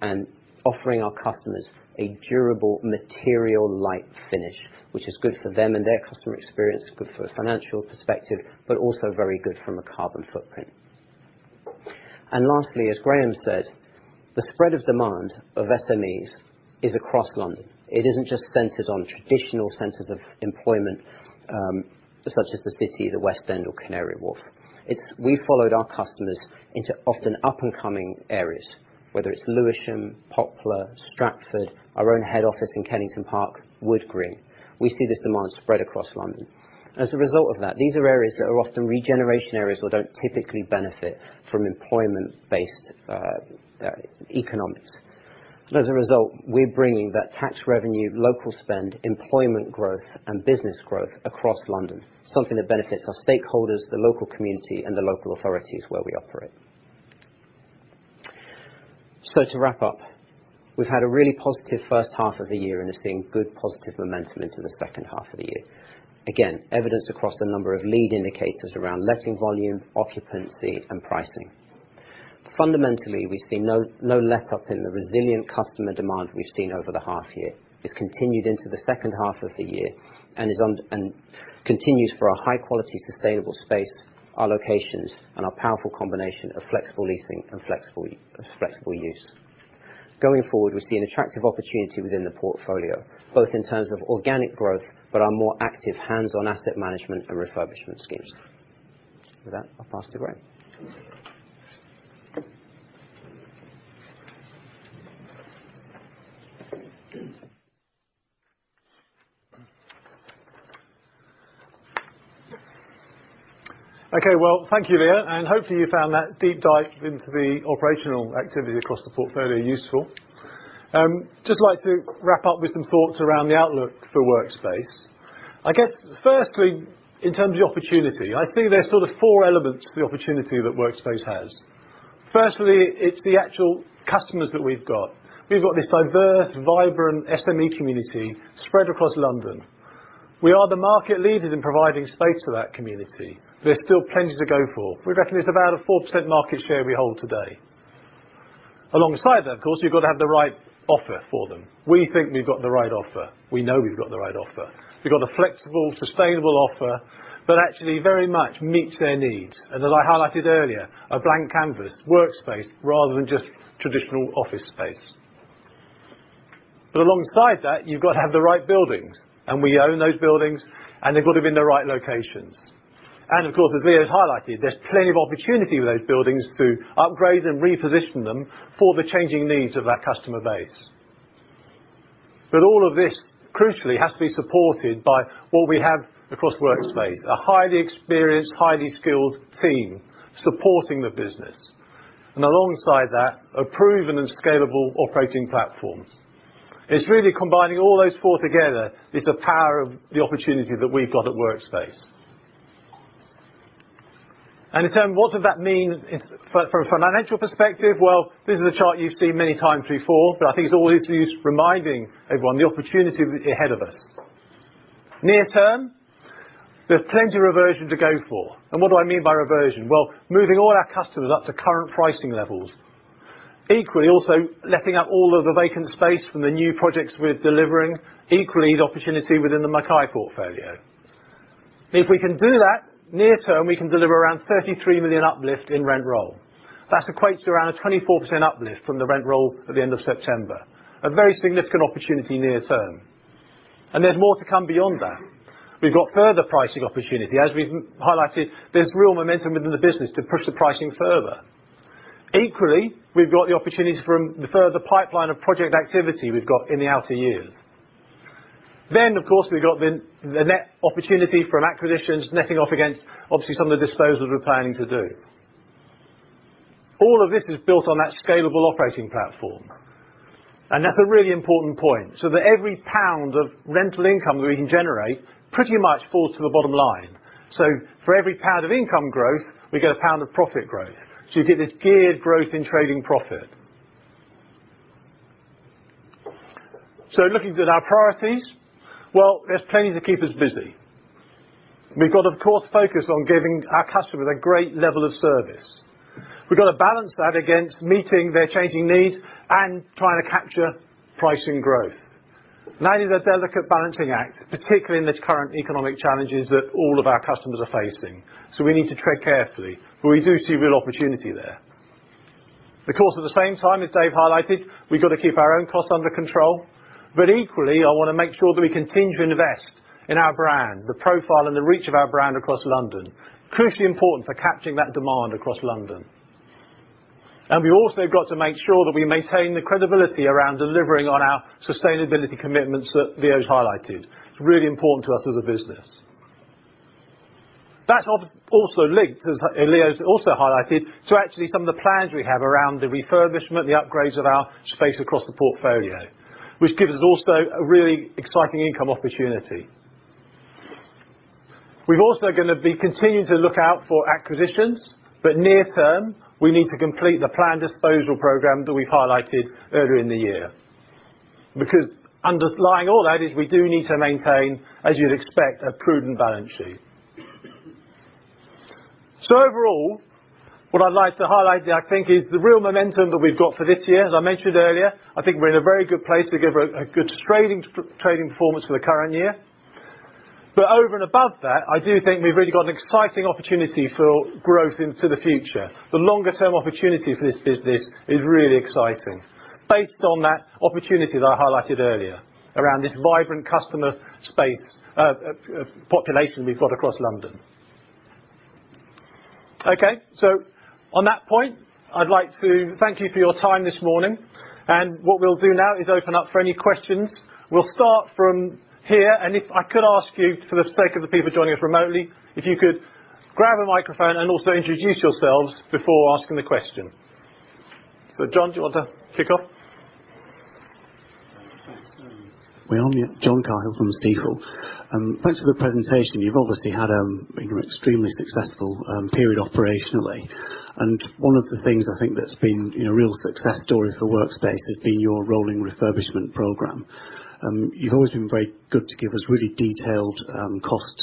and offering our customers a durable material-light finish, which is good for them and their customer experience, good for a financial perspective, but also very good from a carbon footprint. Lastly, as Graham said, the spread of demand of SMEs is across London. It isn't just centered on traditional centers of employment, such as the City, the West End, or Canary Wharf. We followed our customers into often up-and-coming areas, whether it's Lewisham, Poplar, Stratford, our own head office in Kennington Park, Wood Green. We see this demand spread across London. As a result of that, these are areas that are often regeneration areas or don't typically benefit from employment-based economics. As a result, we're bringing that tax revenue, local spend, employment growth, and business growth across London, something that benefits our stakeholders, the local community, and the local authorities where we operate. To wrap up, we've had a really positive first half of the year and are seeing good positive momentum into the second half of the year. Again, evidenced across a number of lead indicators around letting volume, occupancy, and pricing. Fundamentally, we've seen no letup in the resilient customer demand we've seen over the half year. It's continued into the second half of the year and continues for our high-quality, sustainable space, our locations, and our powerful combination of flexible leasing and flexible use. Going forward, we see an attractive opportunity within the portfolio, both in terms of organic growth, but our more active hands-on asset management and refurbishment schemes. With that, I'll pass to Graham. Okay. Well, thank you, Leo, and hopefully you found that deep dive into the operational activity across the portfolio useful. Just like to wrap up with some thoughts around the outlook for Workspace. I guess firstly, in terms of opportunity, I see there's sort of four elements to the opportunity that Workspace has. Firstly, it's the actual customers that we've got. We've got this diverse, vibrant SME community spread across London. We are the market leaders in providing space to that community. There's still plenty to go for. We reckon it's about a 4% market share we hold today. Alongside that, of course, you've got to have the right offer for them. We think we've got the right offer. We know we've got the right offer. We've got a flexible, sustainable offer that actually very much meets their needs. As I highlighted earlier, a blank canvas, Workspace, rather than just traditional office space. Alongside that, you've got to have the right buildings, and we own those buildings, and they've got to be in the right locations. Of course, as Leo's highlighted, there's plenty of opportunity with those buildings to upgrade and reposition them for the changing needs of our customer base. All of this, crucially, has to be supported by what we have across Workspace, a highly experienced, highly skilled team supporting the business. Alongside that, a proven and scalable operating platform. It's really combining all those four together is the power of the opportunity that we've got at Workspace. In turn, what does that mean for a financial perspective? Well, this is a chart you've seen many times before, but I think it's always useful reminding everyone the opportunity ahead of us. Near term, there's plenty of reversion to go for. What do I mean by reversion? Well, moving all our customers up to current pricing levels. Equally, also letting all of the vacant space from the new projects we're delivering. Equally, the opportunity within the McKay portfolio. If we can do that near term, we can deliver around 33 million uplift in rent roll. That equates to around a 24% uplift from the rent roll at the end of September. A very significant opportunity near term. There's more to come beyond that. We've got further pricing opportunity. As we've highlighted, there's real momentum within the business to push the pricing further. Equally, we've got the opportunities from the further pipeline of project activity we've got in the outer years. Of course, we've got the net opportunity from acquisitions netting off against obviously some of the disposals we're planning to do. All of this is built on that scalable operating platform, and that's a really important point, so that every pound of rental income that we can generate pretty much falls to the bottom line. For every pound of income growth, we get a pound of profit growth. You get this geared growth in trading profit. Looking at our priorities, well, there's plenty to keep us busy. We've got, of course, focus on giving our customers a great level of service. We've got to balance that against meeting their changing needs and trying to capture pricing growth. That is a delicate balancing act, particularly in the current economic challenges that all of our customers are facing. We need to tread carefully, but we do see real opportunity there. Of course, at the same time, as Dave highlighted, we've got to keep our own costs under control. Equally, I wanna make sure that we continue to invest in our brand, the profile and the reach of our brand across London. Crucially important for capturing that demand across London. We also have got to make sure that we maintain the credibility around delivering on our sustainability commitments that Leo's highlighted. It's really important to us as a business. That's also linked, as Leo's also highlighted, to actually some of the plans we have around the refurbishment, the upgrades of our space across the portfolio, which gives us also a really exciting income opportunity. We've also gonna be continuing to look out for acquisitions, but near term, we need to complete the planned disposal program that we highlighted earlier in the year. Because underlying all that is we do need to maintain, as you'd expect, a prudent balance sheet. So overall, what I'd like to highlight, I think, is the real momentum that we've got for this year. As I mentioned earlier, I think we're in a very good place to give a good trading performance for the current year. But over and above that, I do think we've really got an exciting opportunity for growth into the future. The longer term opportunity for this business is really exciting based on that opportunity that I highlighted earlier around this vibrant customer space population we've got across London. Okay, on that point, I'd like to thank you for your time this morning. What we'll do now is open up for any questions. We'll start from here. If I could ask you, for the sake of the people joining us remotely, if you could grab a microphone and also introduce yourselves before asking the question. John, do you want to kick off? Well, John Cahill from Stifel. Thanks for the presentation. You've obviously had an extremely successful period operationally. One of the things I think that's been, you know, a real success story for Workspace has been your rolling refurbishment program. You've always been very good to give us really detailed cost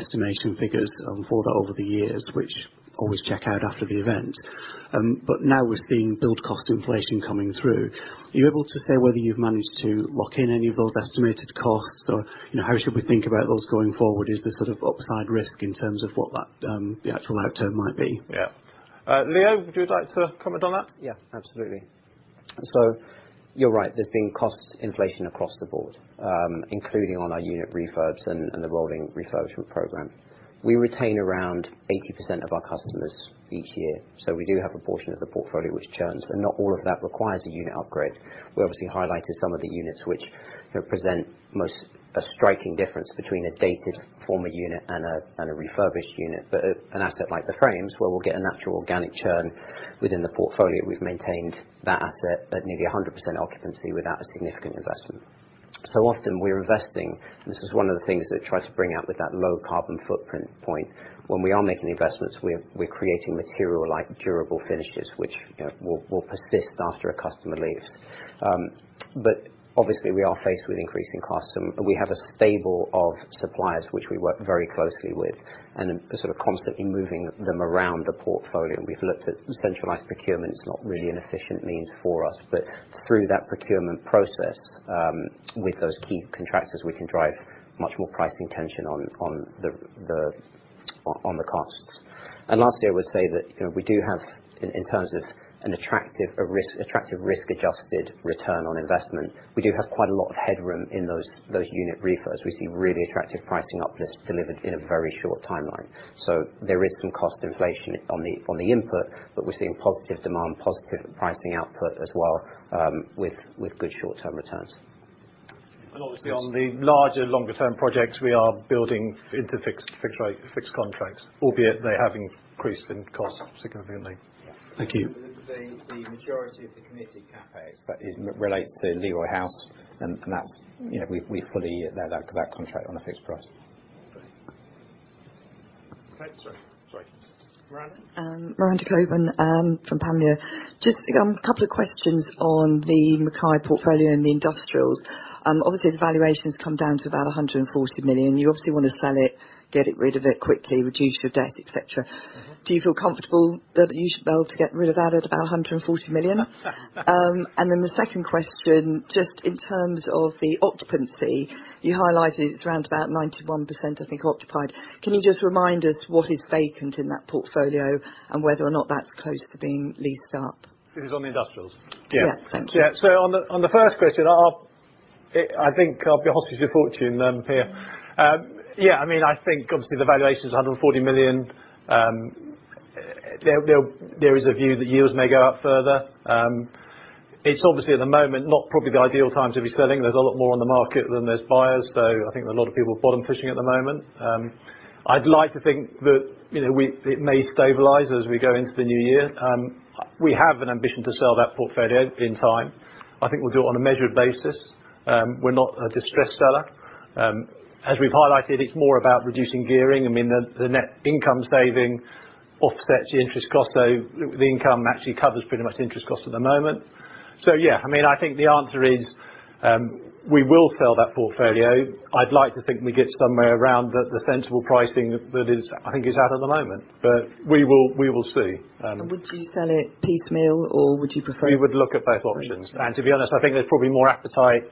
estimation figures for that over the years, which always check out after the event. Now we're seeing build cost inflation coming through. Are you able to say whether you've managed to lock in any of those estimated costs? Or, you know, how should we think about those going forward? Is there sort of upside risk in terms of what that the actual outturn might be? Yeah. Leo, would you like to comment on that? Yeah, absolutely. You're right, there's been cost inflation across the board, including on our unit refurbs and the rolling refurbishment program. We retain around 80% of our customers each year, so we do have a portion of the portfolio which churns, but not all of that requires a unit upgrade. We obviously highlighted some of the units which, you know, present most, a striking difference between a dated former unit and a refurbished unit. An asset like The Frames, where we'll get a natural organic churn within the portfolio, we've maintained that asset at nearly 100% occupancy without a significant investment. Often we're investing. This is one of the things that tries to bring out with that low carbon footprint point. When we are making investments, we're creating material like durable finishes, which, you know, will persist after a customer leaves. Obviously, we are faced with increasing costs, and we have a stable of suppliers which we work very closely with, and then sort of constantly moving them around the portfolio. We've looked at centralized procurement. It's not really an efficient means for us. Through that procurement process, with those key contractors, we can drive much more pricing tension on the costs. Lastly, I would say that, you know, we do have, in terms of an attractive risk-adjusted return on investment, we do have quite a lot of headroom in those unit refits. We see really attractive pricing uplift delivered in a very short timeline. There is some cost inflation on the input, but we're seeing positive demand, positive pricing output as well, with good short-term returns. Obviously on the larger, longer-term projects, we are building into fixed rate, fixed contracts, albeit they have increased in cost significantly. Yes. Thank you. The majority of the committed CapEx that is related to Leroy House, and that's, you know, we fully let out that contract on a fixed price. Okay. Sorry. Miranda? Miranda Cockburn from Panmure. Just a couple of questions on the McKay portfolio and the industrials. Obviously the valuation's come down to about 140 million. You obviously wanna sell it, get rid of it quickly, reduce your debt, etc. Do you feel comfortable that you should be able to get rid of that at about 140 million? The second question, just in terms of the occupancy, you highlighted it's around about 91%, I think, occupied. Can you just remind us what is vacant in that portfolio and whether or not that's close to being leased up? This is on the industrials? Yes. Yeah. Thank you. On the first question, I think I'll be a hostage to fortune here. I mean, I think obviously the valuation is 140 million. There is a view that yields may go up further. It's obviously at the moment not probably the ideal time to be selling. There's a lot more on the market than there's buyers, so I think there are a lot of people bottom fishing at the moment. I'd like to think that, you know, it may stabilize as we go into the new year. We have an ambition to sell that portfolio in time. I think we'll do it on a measured basis. We're not a distressed seller. As we've highlighted, it's more about reducing gearing. I mean, the net income saving offsets the interest cost, so the income actually covers pretty much interest cost at the moment. Yeah, I mean, I think the answer is, we will sell that portfolio. I'd like to think we get somewhere around the sensible pricing that is, I think is out at the moment. We will see. Would you sell it piecemeal, or would you prefer? We would look at both options. Both options. To be honest, I think there's probably more appetite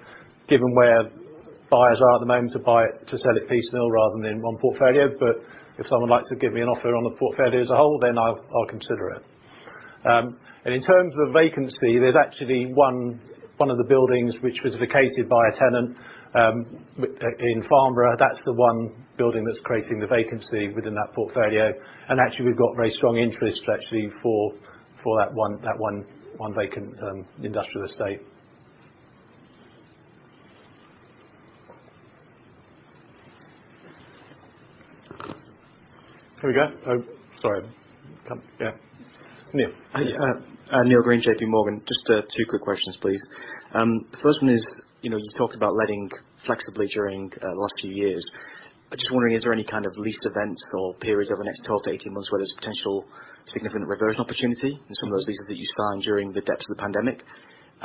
given where buyers are at the moment to buy it, to sell it piecemeal rather than in one portfolio. But if someone would like to give me an offer on the portfolio as a whole, then I'll consider it. In terms of the vacancy, there's actually one of the buildings which was vacated by a tenant in Farnborough. That's the one building that's creating the vacancy within that portfolio. We've got very strong interest actually for that one vacant industrial estate. Here we go. Sorry. Yeah. Neil. Neil Green, J.P. Morgan. Just two quick questions, please. The first one is, you know, you talked about letting flexibly during the last few years. I'm just wondering, is there any kind of lease events or periods over the next 12-18 months where there's potential significant reversion opportunity in some of those leases that you signed during the depths of the pandemic?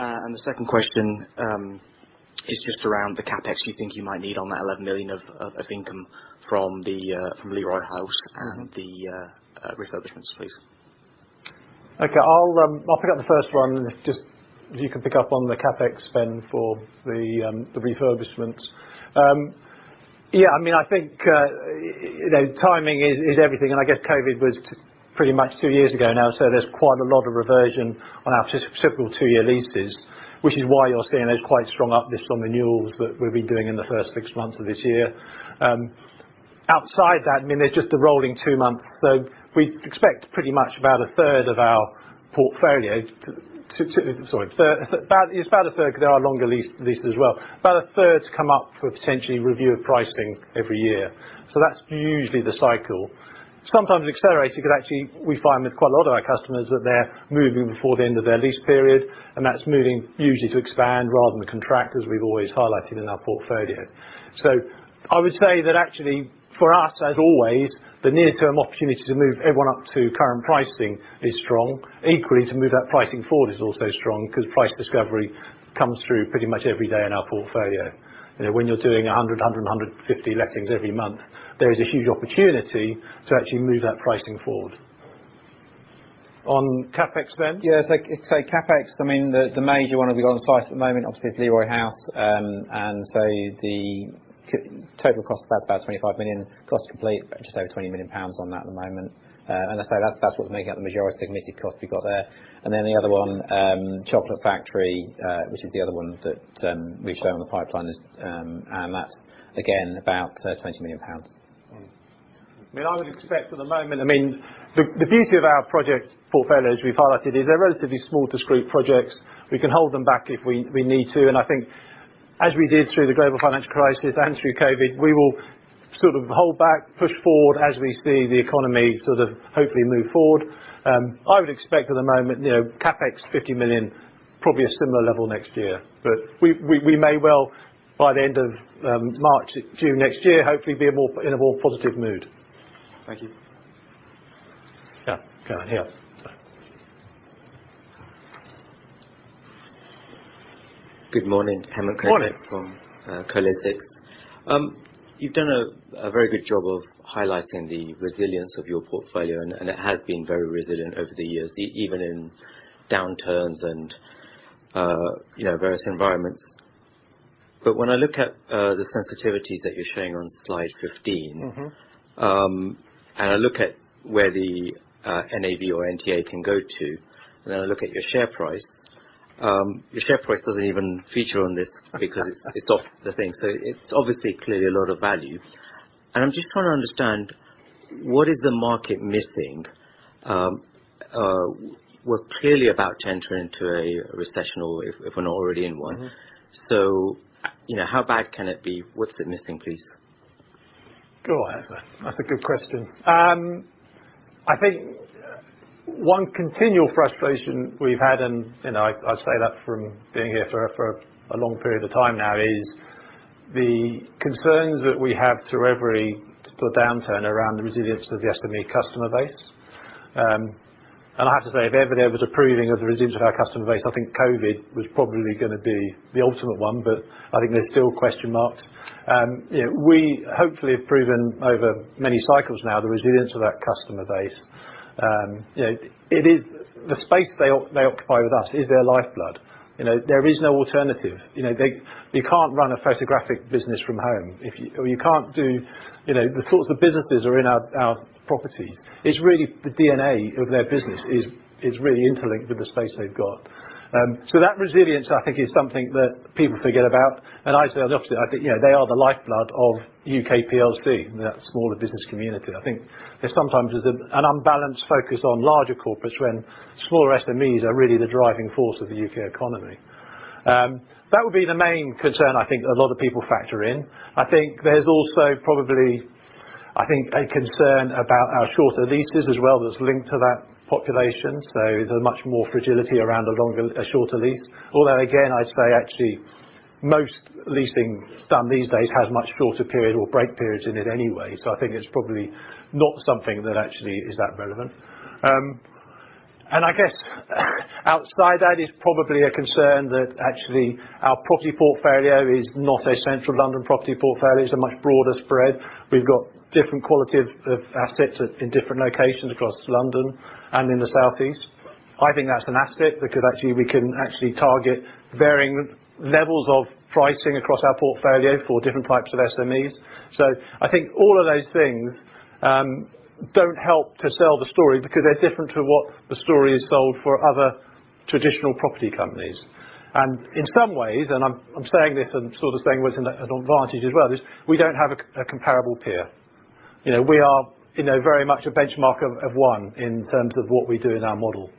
The second question is just around the CapEx you think you might need on that 11 million of income from Leroy House and the refurbishments please. Okay. I'll pick up the first one. Just if you can pick up on the CapEx spend for the refurbishments. Yeah, I mean, I think you know, timing is everything, and I guess COVID was pretty much two years ago now, so there's quite a lot of reversion on our just simple two-year leases, which is why you're seeing those quite strong uplifts from renewals that we've been doing in the first six months of this year. Outside that, I mean, there's just the rolling two months. We'd expect pretty much about a third of our portfolio to about, it's about a third, 'cause there are longer leases as well. About a third come up for potentially review of pricing every year. That's usually the cycle. Sometimes accelerated, 'cause actually we find with quite a lot of our customers that they're moving before the end of their lease period, and that's moving usually to expand rather than contract, as we've always highlighted in our portfolio. I would say that actually for us, as always, the near-term opportunity to move everyone up to current pricing is strong. Equally, to move that pricing forward is also strong 'cause price discovery comes through pretty much every day in our portfolio. You know, when you're doing 150 lettings every month, there is a huge opportunity to actually move that pricing forward. On CapEx spend? CapEx, I mean, the major one we got on site at the moment obviously is Leroy House. The total cost of that is about 25 million. Cost to complete, just over 20 million pounds on that at the moment. I say that's what's making up the majority of committed cost we've got there. The other one, Chocolate Factory, which is the other one that we show on the pipeline is. That's again about 20 million pounds. I mean, I would expect for the moment. I mean, the beauty of our project portfolio, as we've highlighted, is they're relatively small, discrete projects. We can hold them back if we need to, and I think as we did through the global financial crisis and through COVID, we will sort of hold back, push forward as we see the economy sort of hopefully move forward. I would expect at the moment, you know, CapEx 50 million, probably a similar level next year. We may well by the end of March, June next year, hopefully be more in a more positive mood. Thank you. Yeah. Go on, yeah. Sorry. Good morning. Hemant. Morning. From Kolytics. You've done a very good job of highlighting the resilience of your portfolio, and it has been very resilient over the years, even in downturns and, you know, various environments. When I look at the sensitivities that you're showing on slide 15. I look at where the NAV or NTA can go to, and then I look at your share price. Your share price doesn't even feature on this because it's off the thing. It's obviously clearly a lot of value. I'm just trying to understand what is the market missing? We're clearly about to enter into a recession or if we're not already in one. You know, how bad can it be? What's it missing, please? Go on, that's a good question. I think one continual frustration we've had, you know, I say that from being here for a long period of time now, is the concerns that we have through every sort of downturn around the resilience of the SME customer base. I have to say if ever there was a proving of the resilience of our customer base, I think COVID was probably gonna be the ultimate one, but I think there's still question marks. You know, we hopefully have proven over many cycles now the resilience of that customer base. You know, it is the space they occupy with us is their lifeblood. You know, there is no alternative. You know, they, you can't run a photographic business from home if you... You can't do, you know, the sorts of businesses are in our properties. It's really the DNA of their business is really interlinked with the space they've got. That resilience, I think is something that people forget about. I say the opposite. I think, you know, they are the lifeblood of UK plc, that smaller business community. I think there sometimes is an unbalanced focus on larger corporates when smaller SMEs are really the driving force of the UK economy. That would be the main concern I think a lot of people factor in. I think there's also probably, I think, a concern about our shorter leases as well that's linked to that population. There's a much more fragility around a shorter lease. Although again, I'd say actually most leasing done these days has much shorter period or break periods in it anyway. I think it's probably not something that actually is that relevant. I guess outside that is probably a concern that actually our property portfolio is not a central London property portfolio. It's a much broader spread. We've got different quality of assets in different locations across London and in the Southeast. I think that's an asset because actually we can actually target varying levels of pricing across our portfolio for different types of SMEs. I think all of those things don't help to sell the story because they're different to what the story has sold for other traditional property companies. In some ways, I'm saying this in sort of saying what's an advantage as well, is we don't have a comparable peer. You know, we are, you know, very much a benchmark of one in terms of what we do in our model.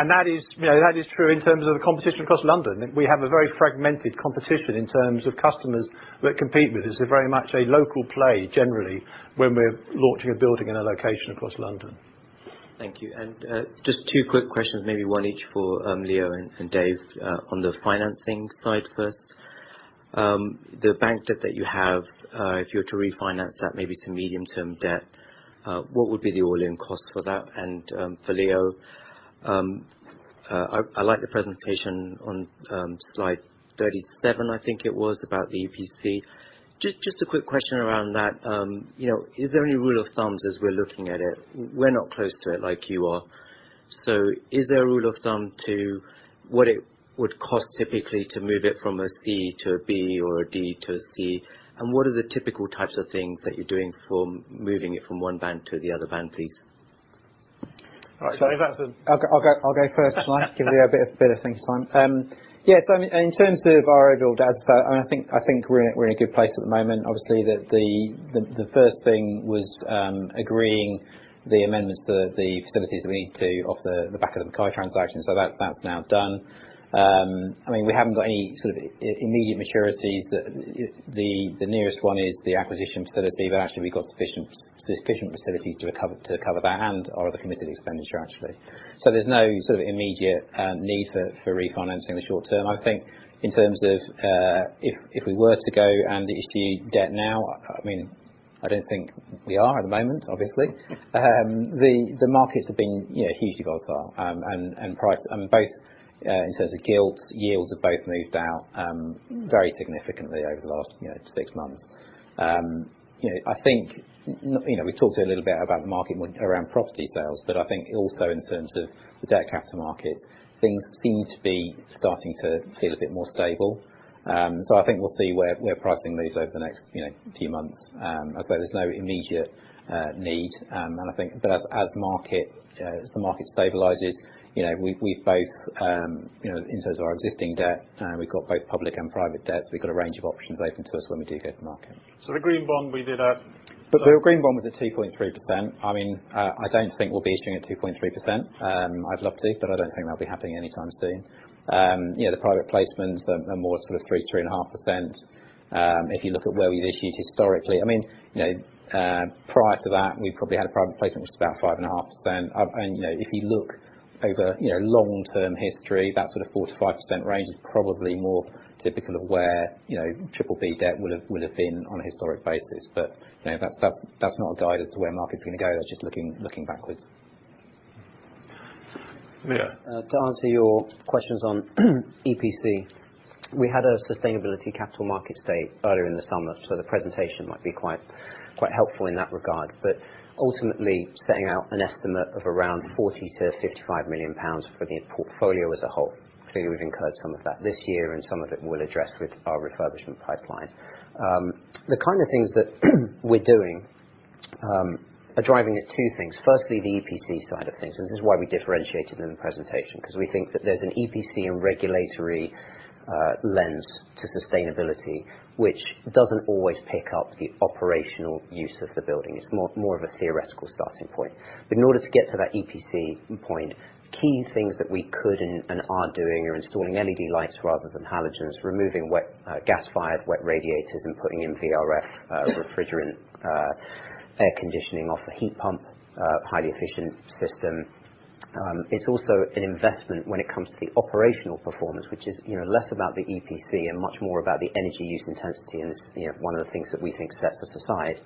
That is true in terms of the competition across London. We have a very fragmented competition in terms of customers that compete with us. They're very much a local play generally when we're launching a building in a location across London. Thank you. Just two quick questions, maybe one each for Leo and Dave on the financing side first. The bank debt that you have, if you were to refinance that maybe to medium-term debt, what would be the all-in cost for that? For Leo, I like the presentation on slide 37, I think it was, about the EPC. Just a quick question around that. You know, is there any rule of thumb as we're looking at it? We're not close to it like you are. Is there a rule of thumb to what it would cost typically to move it from a C to a B or a D to a C? What are the typical types of things that you're doing for moving it from one band to the other band, please? All right. Dave, I'll go first, right? Give Leo a bit of thinking time. Yeah, in terms of our overall debt, I think we're in a good place at the moment. Obviously, the first thing was agreeing the amendments to the facilities that we need off the back of the McKay transaction. That's now done. I mean, we haven't got any sort of immediate maturities. The nearest one is the acquisition facility, but actually we've got sufficient facilities to cover that and all of the committed expenditure actually. There's no sort of immediate need for refinancing in the short term. I think in terms of if we were to go and issue debt now, I mean, I don't think we are at the moment, obviously. The markets have been, you know, hugely volatile, and prices both in terms of gilts, yields have both moved out very significantly over the last, you know, six months. You know, I think we've talked a little bit about the market around property sales, but I think also in terms of the debt capital markets, things seem to be starting to feel a bit more stable. So I think we'll see where pricing moves over the next, you know, few months. Although there's no immediate need. I think as the market stabilizes, you know, we've both you know in terms of our existing debt, we've got both public and private debt, so we've got a range of options open to us when we do go to market. The green bond was at 2.3%. I mean, I don't think we'll be issuing a 2.3%. I'd love to, but I don't think that'll be happening anytime soon. Yeah, the private placements are more sort of 3-3.5%. If you look at where we've issued historically. I mean, you know, prior to that, we probably had a private placement just about 5.5%. You know, if you look over, you know, long-term history, that sort of 4%-5% range is probably more typical of where, you know, triple B debt would have been on a historic basis. You know, that's not a guide as to where market's gonna go, just looking backwards. Yeah. To answer your questions on EPC. We had a sustainability Capital Markets Day earlier in the summer, so the presentation might be quite helpful in that regard. But ultimately, setting out an estimate of around 40 million-55 million pounds for the portfolio as a whole. Clearly, we've incurred some of that this year, and some of it we'll address with our refurbishment pipeline. The kind of things that we're doing are driving at two things. Firstly, the EPC side of things. This is why we differentiated in the presentation, because we think that there's an EPC and regulatory lens to sustainability, which doesn't always pick up the operational use of the building. It's more of a theoretical starting point. In order to get to that EPC point, key things that we could and are doing are installing LED lights rather than halogens, removing wet gas-fired wet radiators and putting in VRF refrigerant air conditioning off a heat pump highly efficient system. It's also an investment when it comes to the operational performance, which is, you know, less about the EPC and much more about the energy use intensity, and it's, you know, one of the things that we think sets us aside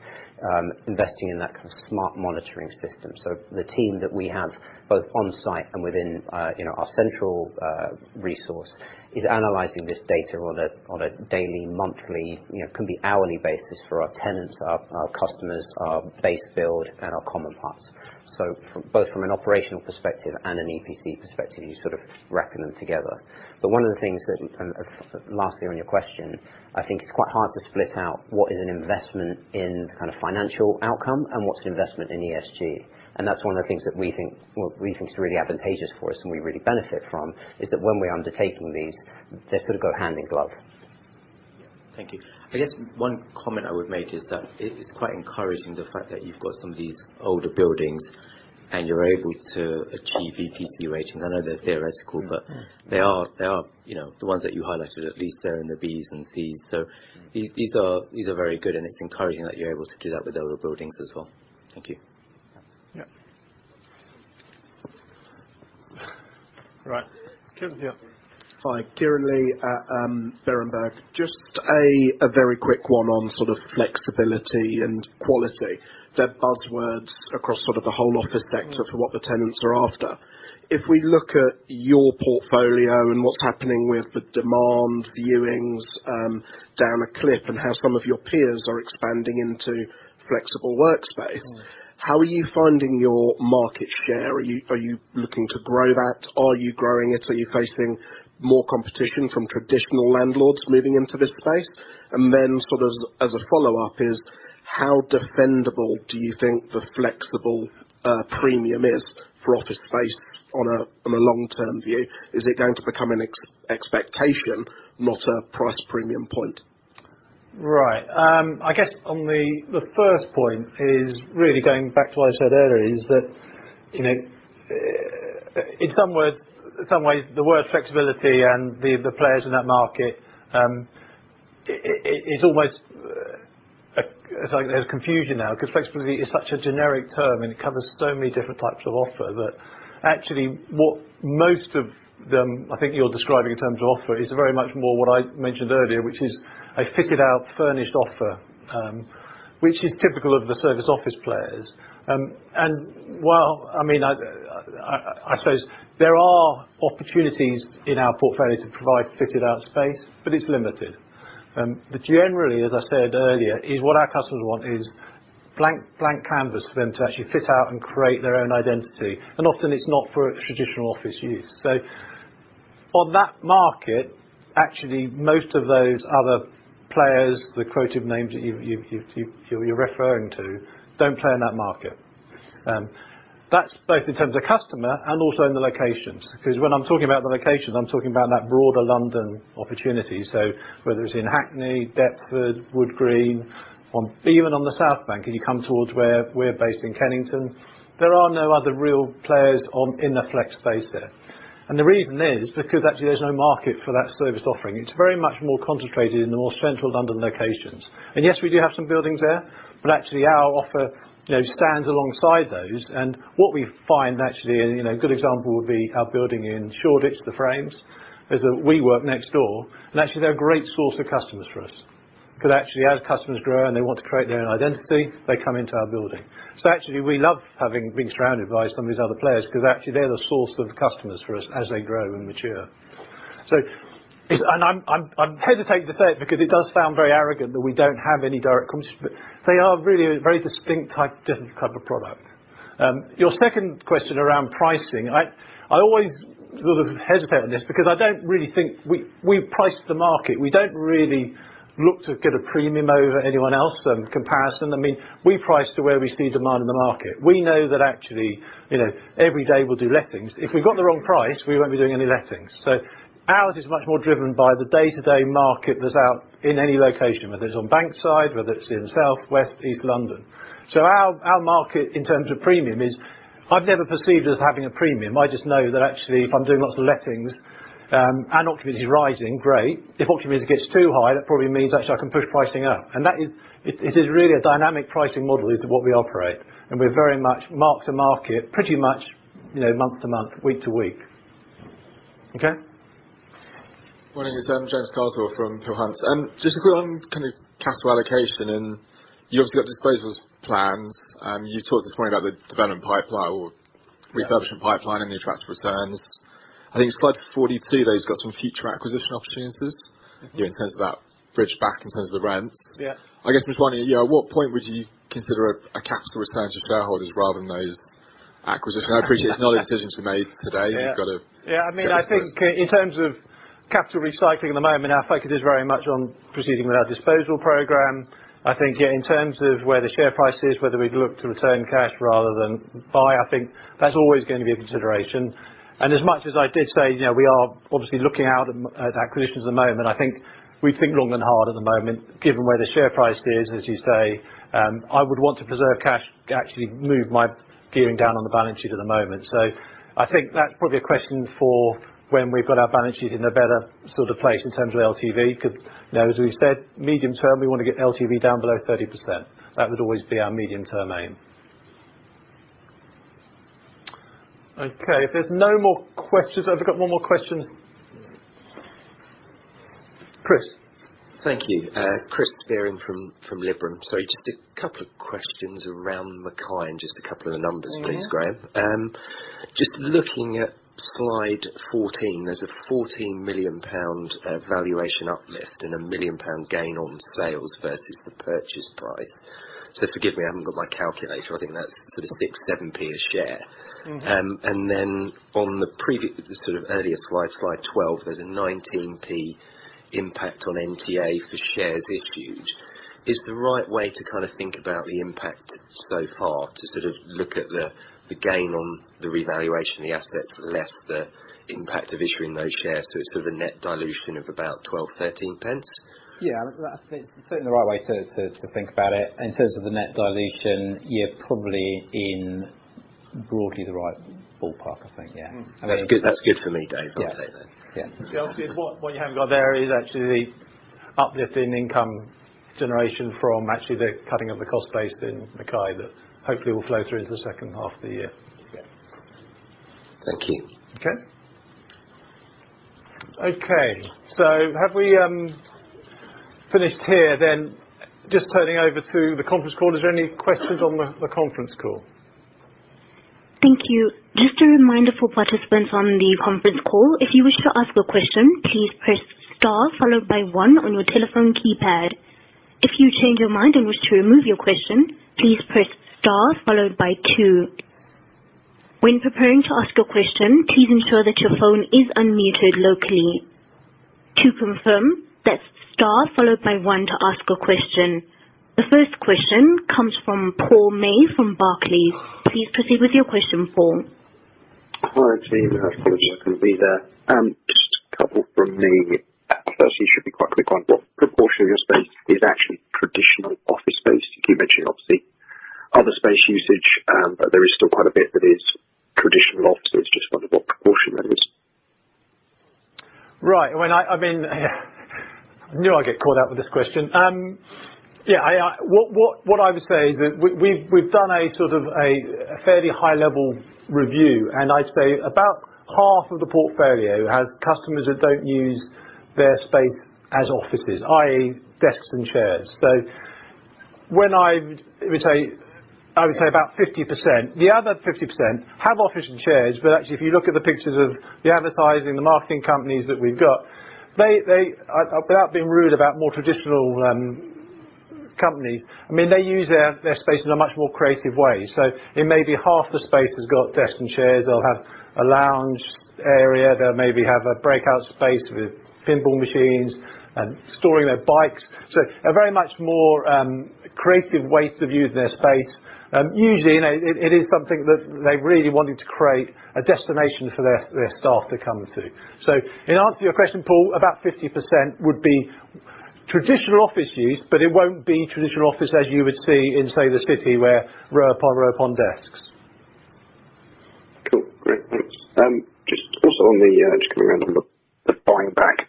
investing in that kind of smart monitoring system. The team that we have, both on site and within you know our central resource, is analyzing this data on a daily, monthly, you know, can be hourly basis for our tenants, our customers, our base build and our common parts. From both an operational perspective and an EPC perspective, you're sort of wrapping them together. One of the things that and lastly on your question, I think it's quite hard to split out what is an investment in kind of financial outcome and what's an investment in ESG. That's one of the things that we think is really advantageous for us and we really benefit from, is that when we're undertaking these, they sort of go hand in glove. Yeah. Thank you. I guess one comment I would make is that it is quite encouraging the fact that you've got some of these older buildings and you're able to achieve EPC ratings. I know they're theoretical. They are, you know, the ones that you highlighted, at least they're in the Bs and Cs. These are very good, and it's encouraging that you're able to do that with other buildings as well. Thank you. Yeah. All right. Kieran, yeah. Hi, Kieran Lee at Berenberg. Just a very quick one on sort of flexibility and quality. They're buzzwords across sort of the whole office sector for what the tenants are after. If we look at your portfolio and what's happening with the demand viewings, down a clip and how some of your peers are expanding into flexible workspace. How are you finding your market share? Are you looking to grow that? Are you growing it? Are you facing more competition from traditional landlords moving into this space? Then sort of as a follow-up is how defendable do you think the flexible premium is for office space on a long-term view? Is it going to become an expectation, not a price premium point? Right. I guess on the first point is really going back to what I said earlier, is that, you know, in some ways, the word flexibility and the players in that market, it's almost like there's confusion now 'cause flexibility is such a generic term, and it covers so many different types of offer that actually what most of them, I think you're describing in terms of offer, is very much more what I mentioned earlier, which is a fitted out furnished offer, which is typical of the service office players. While, I mean, I suppose there are opportunities in our portfolio to provide fitted out space, but it's limited. Generally, as I said earlier, what our customers want is a blank canvas for them to actually fit out and create their own identity. Often it's not for a traditional office use. Actually, most of those other players, the quoted names that you're referring to, don't play in that market. That's both in terms of customer and also in the locations. 'Cause when I'm talking about the locations, I'm talking about that broader London opportunity. Whether it's in Hackney, Deptford, Wood Green, even on the South Bank, as you come towards where we're based in Kennington, there are no other real players in the flex space there. The reason is because actually there's no market for that service offering. It's very much more concentrated in the more central London locations. Yes, we do have some buildings there, but actually our offer, you know, stands alongside those. What we find actually, and you know, a good example would be our building in Shoreditch, The Frames, is that we work next door, and actually they're a great source of customers for us. 'Cause actually as customers grow and they want to create their own identity, they come into our building. Actually we love being surrounded by some of these other players 'cause actually they're the source of customers for us as they grow and mature. It's, and I'm hesitating to say it because it does sound very arrogant that we don't have any direct competition, but they are really a very distinct type, different type of product. Your second question around pricing. I always sort of hesitate on this because I don't really think we've priced the market. We don't really look to get a premium over anyone else, comparison. I mean, we price to where we see demand in the market. We know that actually, you know, every day we'll do lettings. If we've got the wrong price, we won't be doing any lettings. Ours is much more driven by the day-to-day market that's out in any location, whether it's on Bankside, whether it's in South, West, East London. Our market in terms of premium is, I've never perceived as having a premium. I just know that actually, if I'm doing lots of lettings, and occupancy is rising, great. If occupancy gets too high, that probably means, actually, I can push pricing up. It is really a dynamic pricing model is what we operate, and we're very much mark-to-market, pretty much, you know, month to month, week to week. Okay? Morning. It's James Carswell from Peel Hunt. Just a quick one, kind of, capital allocation, and you obviously got disposals planned. You talked this morning about the development pipeline. Yeah. refurbishment pipeline, and the attractive returns. I think it's slide 42, though, you've got some future acquisition opportunities. You know, in terms of that bridge back in terms of the rents. Yeah. I guess I'm just wondering, you know, at what point would you consider a capital return to shareholders rather than those acquisitions? I appreciate it's not a decision to be made today. Yeah. You've gotta get to it. Yeah, I mean, I think in terms of capital recycling, at the moment our focus is very much on proceeding with our disposal program. I think, yeah, in terms of where the share price is, whether we'd look to return cash rather than buy, I think that's always gonna be a consideration. As much as I did say, you know, we are obviously looking out at acquisitions at the moment, I think we'd think long and hard at the moment, given where the share price is, as you say. I would want to preserve cash to actually move my gearing down on the balance sheet at the moment. I think that's probably a question for when we've got our balance sheet in a better sort of place in terms of LTV, because you know, as we've said, medium-term, we wanna get LTV down below 30%. That would always be our medium-term aim. Okay, if there's no more questions. Have we got one more question? Chris. Thank you. Chris Spearing from Liberum. Sorry, just a couple of questions around McKay, and just a couple of the numbers, please, Graham. Yeah. Just looking at slide 14, there's a 14 million pound valuation uplift and a 1 million pound gain on sales versus the purchase price. Forgive me, I haven't got my calculator. I think that's sort of 6-7p a share. On the previous sort of earlier slide 12, there's a 19p impact on NTA for shares issued. Is the right way to kind of think about the impact so far, to sort of look at the gain on the revaluation of the assets, less the impact of issuing those shares to a sort of a net dilution of about 12-13 pence? Yeah. That's certainly the right way to think about it. In terms of the net dilution, you're probably in broadly the right ballpark, I think, yeah. I mean. That's good, that's good for me, Dave, I'll say that. Yeah. Yeah. What you haven't got there is actually uplift in income generation from actually the cutting of the cost base in McKay that hopefully will flow through into the second half of the year. Thank you. Okay. Have we finished here then? Just turning over to the conference call, is there any questions on the conference call? Thank you. Just a reminder for participants on the conference call. If you wish to ask a question, please press star followed by one on your telephone keypad. If you change your mind and wish to remove your question, please press star followed by two. When preparing to ask a question, please ensure that your phone is unmuted locally. To confirm, that's star followed by one to ask a question. The first question comes from Paul May from Barclays. Please proceed with your question, Paul. Hi team. Yeah. Pleasure to be there. Just a couple from me. Firstly, should be quite quick one. What proportion of your space is actually traditional office space? You keep mentioning obviously other space usage, but there is still quite a bit that is traditional office. So I just wondered what proportion that is. Right. I mean, I knew I'd get called out with this question. Yeah, I. What I would say is that we've done a sort of a fairly high level review, and I'd say about half of the portfolio has customers that don't use their space as offices, i.e. desks and chairs. When I would say, I would say about 50%. The other 50% have offices and chairs, but actually if you look at the pictures of the advertising, the marketing companies that we've got, they without being rude about more traditional companies, I mean, they use their space in a much more creative way. It may be half the space has got desks and chairs. They'll have a lounge area. They'll maybe have a breakout space with pinball machines, storing their bikes. A very much more creative ways of using their space. Usually, you know, it is something that they're really wanting to create a destination for their staff to come to. In answer to your question, Paul, about 50% would be traditional office use, but it won't be traditional office as you would see in, say, the City, where row upon row upon desks. Cool. Great. Thanks. Just also on the buying back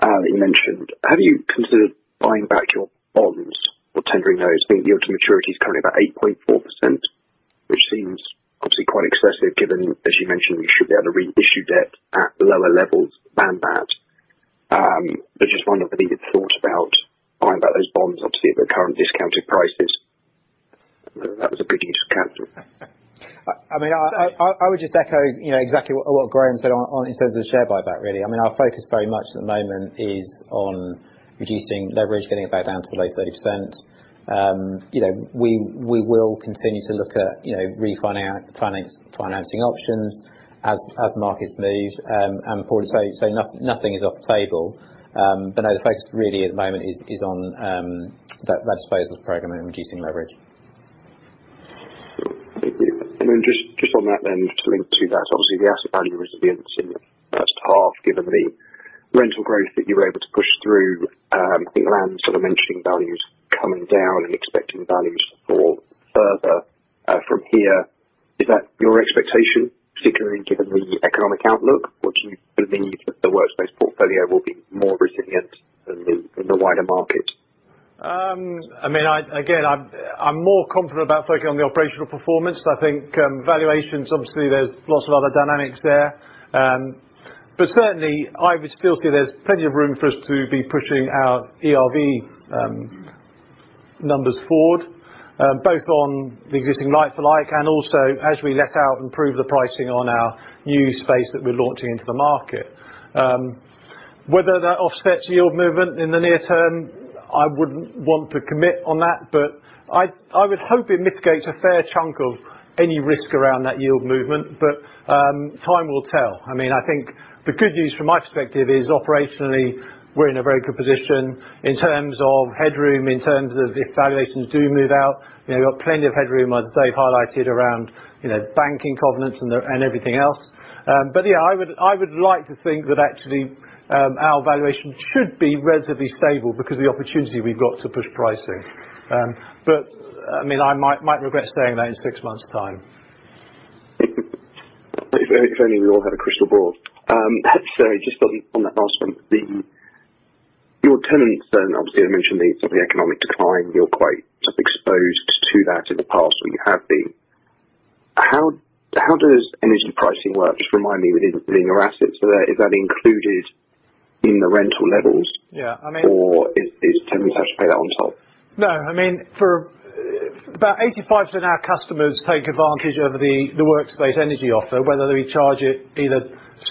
that you mentioned, have you considered buying back your bonds or tendering those? I think yield to maturity is currently about 8.4%, which seems obviously quite excessive given, as you mentioned, you should be able to reissue debt at lower levels than that. But just wondering whether you had thought about buying back those bonds, obviously at the current discounted prices. That was a pretty useful counsel. I mean, I would just echo, you know, exactly what Graham said on in terms of the share buyback really. I mean, our focus very much at the moment is on reducing leverage, getting it back down to the low 30%. You know, we will continue to look at, you know, refining our financing options as markets move. Paul, as you say, nothing is off the table. No, the focus really at the moment is on that disposals program and reducing leverage. Just on that then, just to link to that, obviously the asset values are going to be up significantly in the first half given the rental growth that you were able to push through. I think around sort of mentioning values coming down and expecting values to fall further from here. Is that your expectation, particularly given the economic outlook? Or do you believe that the Workspace portfolio will be more resilient than the wider market? I mean, again, I'm more confident about focusing on the operational performance. I think valuations, obviously, there's lots of other dynamics there. Certainly I would feel there's plenty of room for us to be pushing our ERV numbers forward. Both on the existing like-for-like and also as we let out improve the pricing on our new space that we're launching into the market. Whether that offsets yield movement in the near term, I wouldn't want to commit on that. I would hope it mitigates a fair chunk of any risk around that yield movement. Time will tell. I mean, I think the good news from my perspective is operationally, we're in a very good position in terms of headroom, in terms of if valuations do move out, you know, we've got plenty of headroom, as Dave highlighted around, you know, banking covenants and everything else. Yeah, I would like to think that actually, our valuation should be relatively stable because of the opportunity we've got to push pricing. I mean, I might regret saying that in six months' time. If only we all had a crystal ball. Sorry, just on that last one. Your tenants then obviously mentioned the economic decline. You're quite exposed to that in the past when you have been. How does energy pricing work? Just remind me within your assets. Is that included in the rental levels? Yeah, I mean. is tenants have to pay that on top? No. I mean, for about 85% of our customers take advantage of the Workspace energy offer, whether we charge it either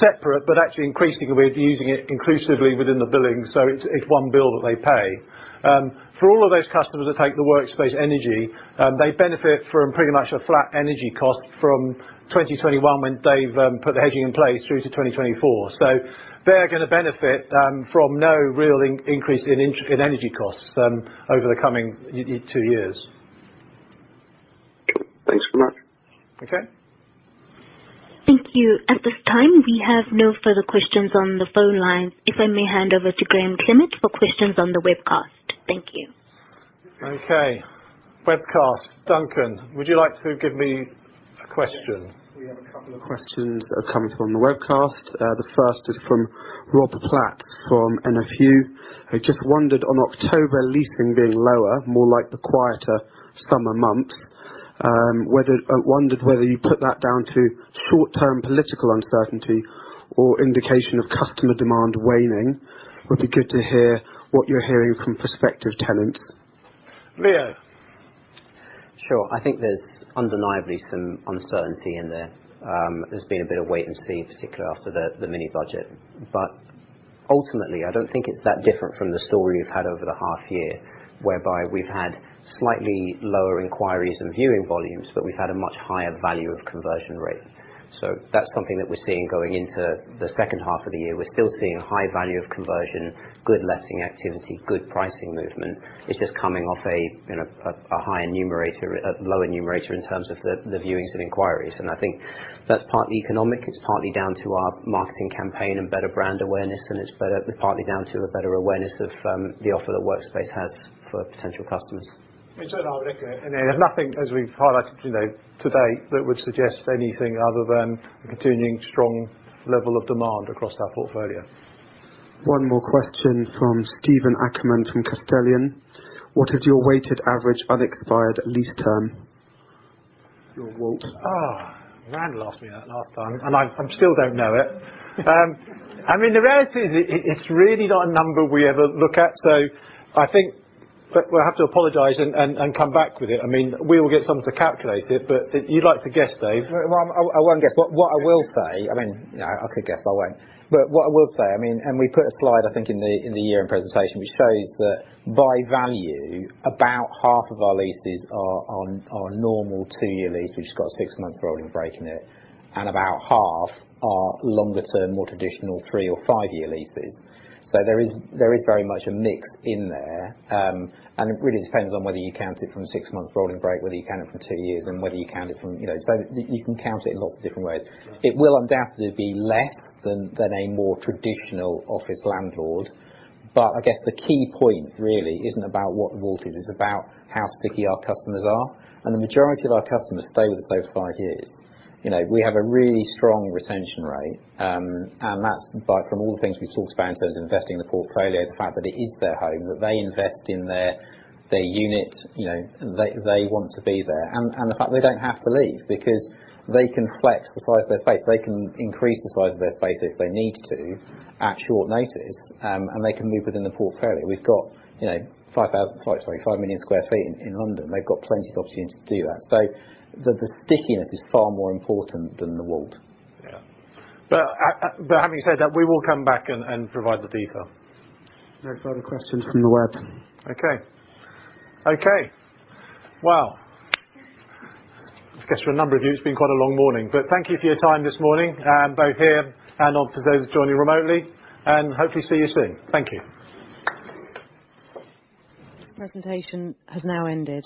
separate, but actually increasingly we're using it inclusively within the billing. It's one bill that they pay. For all of those customers that take the Workspace energy, they benefit from pretty much a flat energy cost from 2021 when Dave put the hedging in place through to 2024. They are gonna benefit from no real increase in energy costs over the coming year, two years. Thanks very much. Okay. Thank you. At this time, we have no further questions on the phone lines. If I may hand over to Graham Clemett for questions on the webcast. Thank you. Okay. Webcast. Duncan, would you like to give me a question? Yes. We have a couple of questions coming from the webcast. The first is from Rob Platts from NFU, who just wondered on October leasing being lower, more like the quieter summer months, whether you put that down to short-term political uncertainty or indication of customer demand waning. Would be good to hear what you're hearing from prospective tenants. Leo. Sure. I think there's undeniably some uncertainty in there. There's been a bit of wait and see, particularly after the Mini-Budget. Ultimately, I don't think it's that different from the story we've had over the half year, whereby we've had slightly lower inquiries and viewing volumes, but we've had a much higher value of conversion rate. That's something that we're seeing going into the second half of the year. We're still seeing a high value of conversion, good letting activity, good pricing movement. It's just coming off a, you know, higher numerator, lower numerator in terms of the viewings and inquiries. I think that's partly economic, it's partly down to our marketing campaign and better brand awareness, partly down to a better awareness of the offer that Workspace has for potential customers. I would echo and add nothing as we've highlighted, you know, today that would suggest anything other than a continuing strong level of demand across our portfolio. One more question from Steven Ackerman from Castellain. What is your weighted average unexpired lease term? Your WALT. Rand asked me that last time, and I still don't know it. I mean, the reality is it's really not a number we ever look at. I think we'll have to apologize and come back with it. I mean, we will get someone to calculate it. If you'd like to guess, Dave. Well, I won't guess. What I will say, I mean, no, I could guess, but I won't. What I will say, I mean, we put a slide, I think, in the year-end presentation, which shows that by value, about half of our leases are on our normal 2-year lease, which has got a 6-month rolling break in it. About half are longer term, more traditional 3- or 5-year leases. There is very much a mix in there. It really depends on whether you count it from 6 months rolling break, whether you count it from 2 years, and whether you count it from, you know. You can count it in lots of different ways. It will undoubtedly be less than a more traditional office landlord. I guess the key point really isn't about what the WALT is. It's about how sticky our customers are. The majority of our customers stay with us those 5 years. You know, we have a really strong retention rate. That's from all the things we've talked about in terms of investing in the portfolio, the fact that it is their home, that they invest in their unit. You know, they want to be there. The fact they don't have to leave because they can flex the size of their space. They can increase the size of their space if they need to at short notice. They can move within the portfolio. We've got, you know, 5 million sq ft in London. They've got plenty of opportunity to do that. The stickiness is far more important than the WALT. Having said that, we will come back and provide the detail. No further questions from the web. Okay. Well, I guess for a number of you, it's been quite a long morning. Thank you for your time this morning, both here and online for those joining remotely, and hopefully see you soon. Thank you. Presentation has now ended.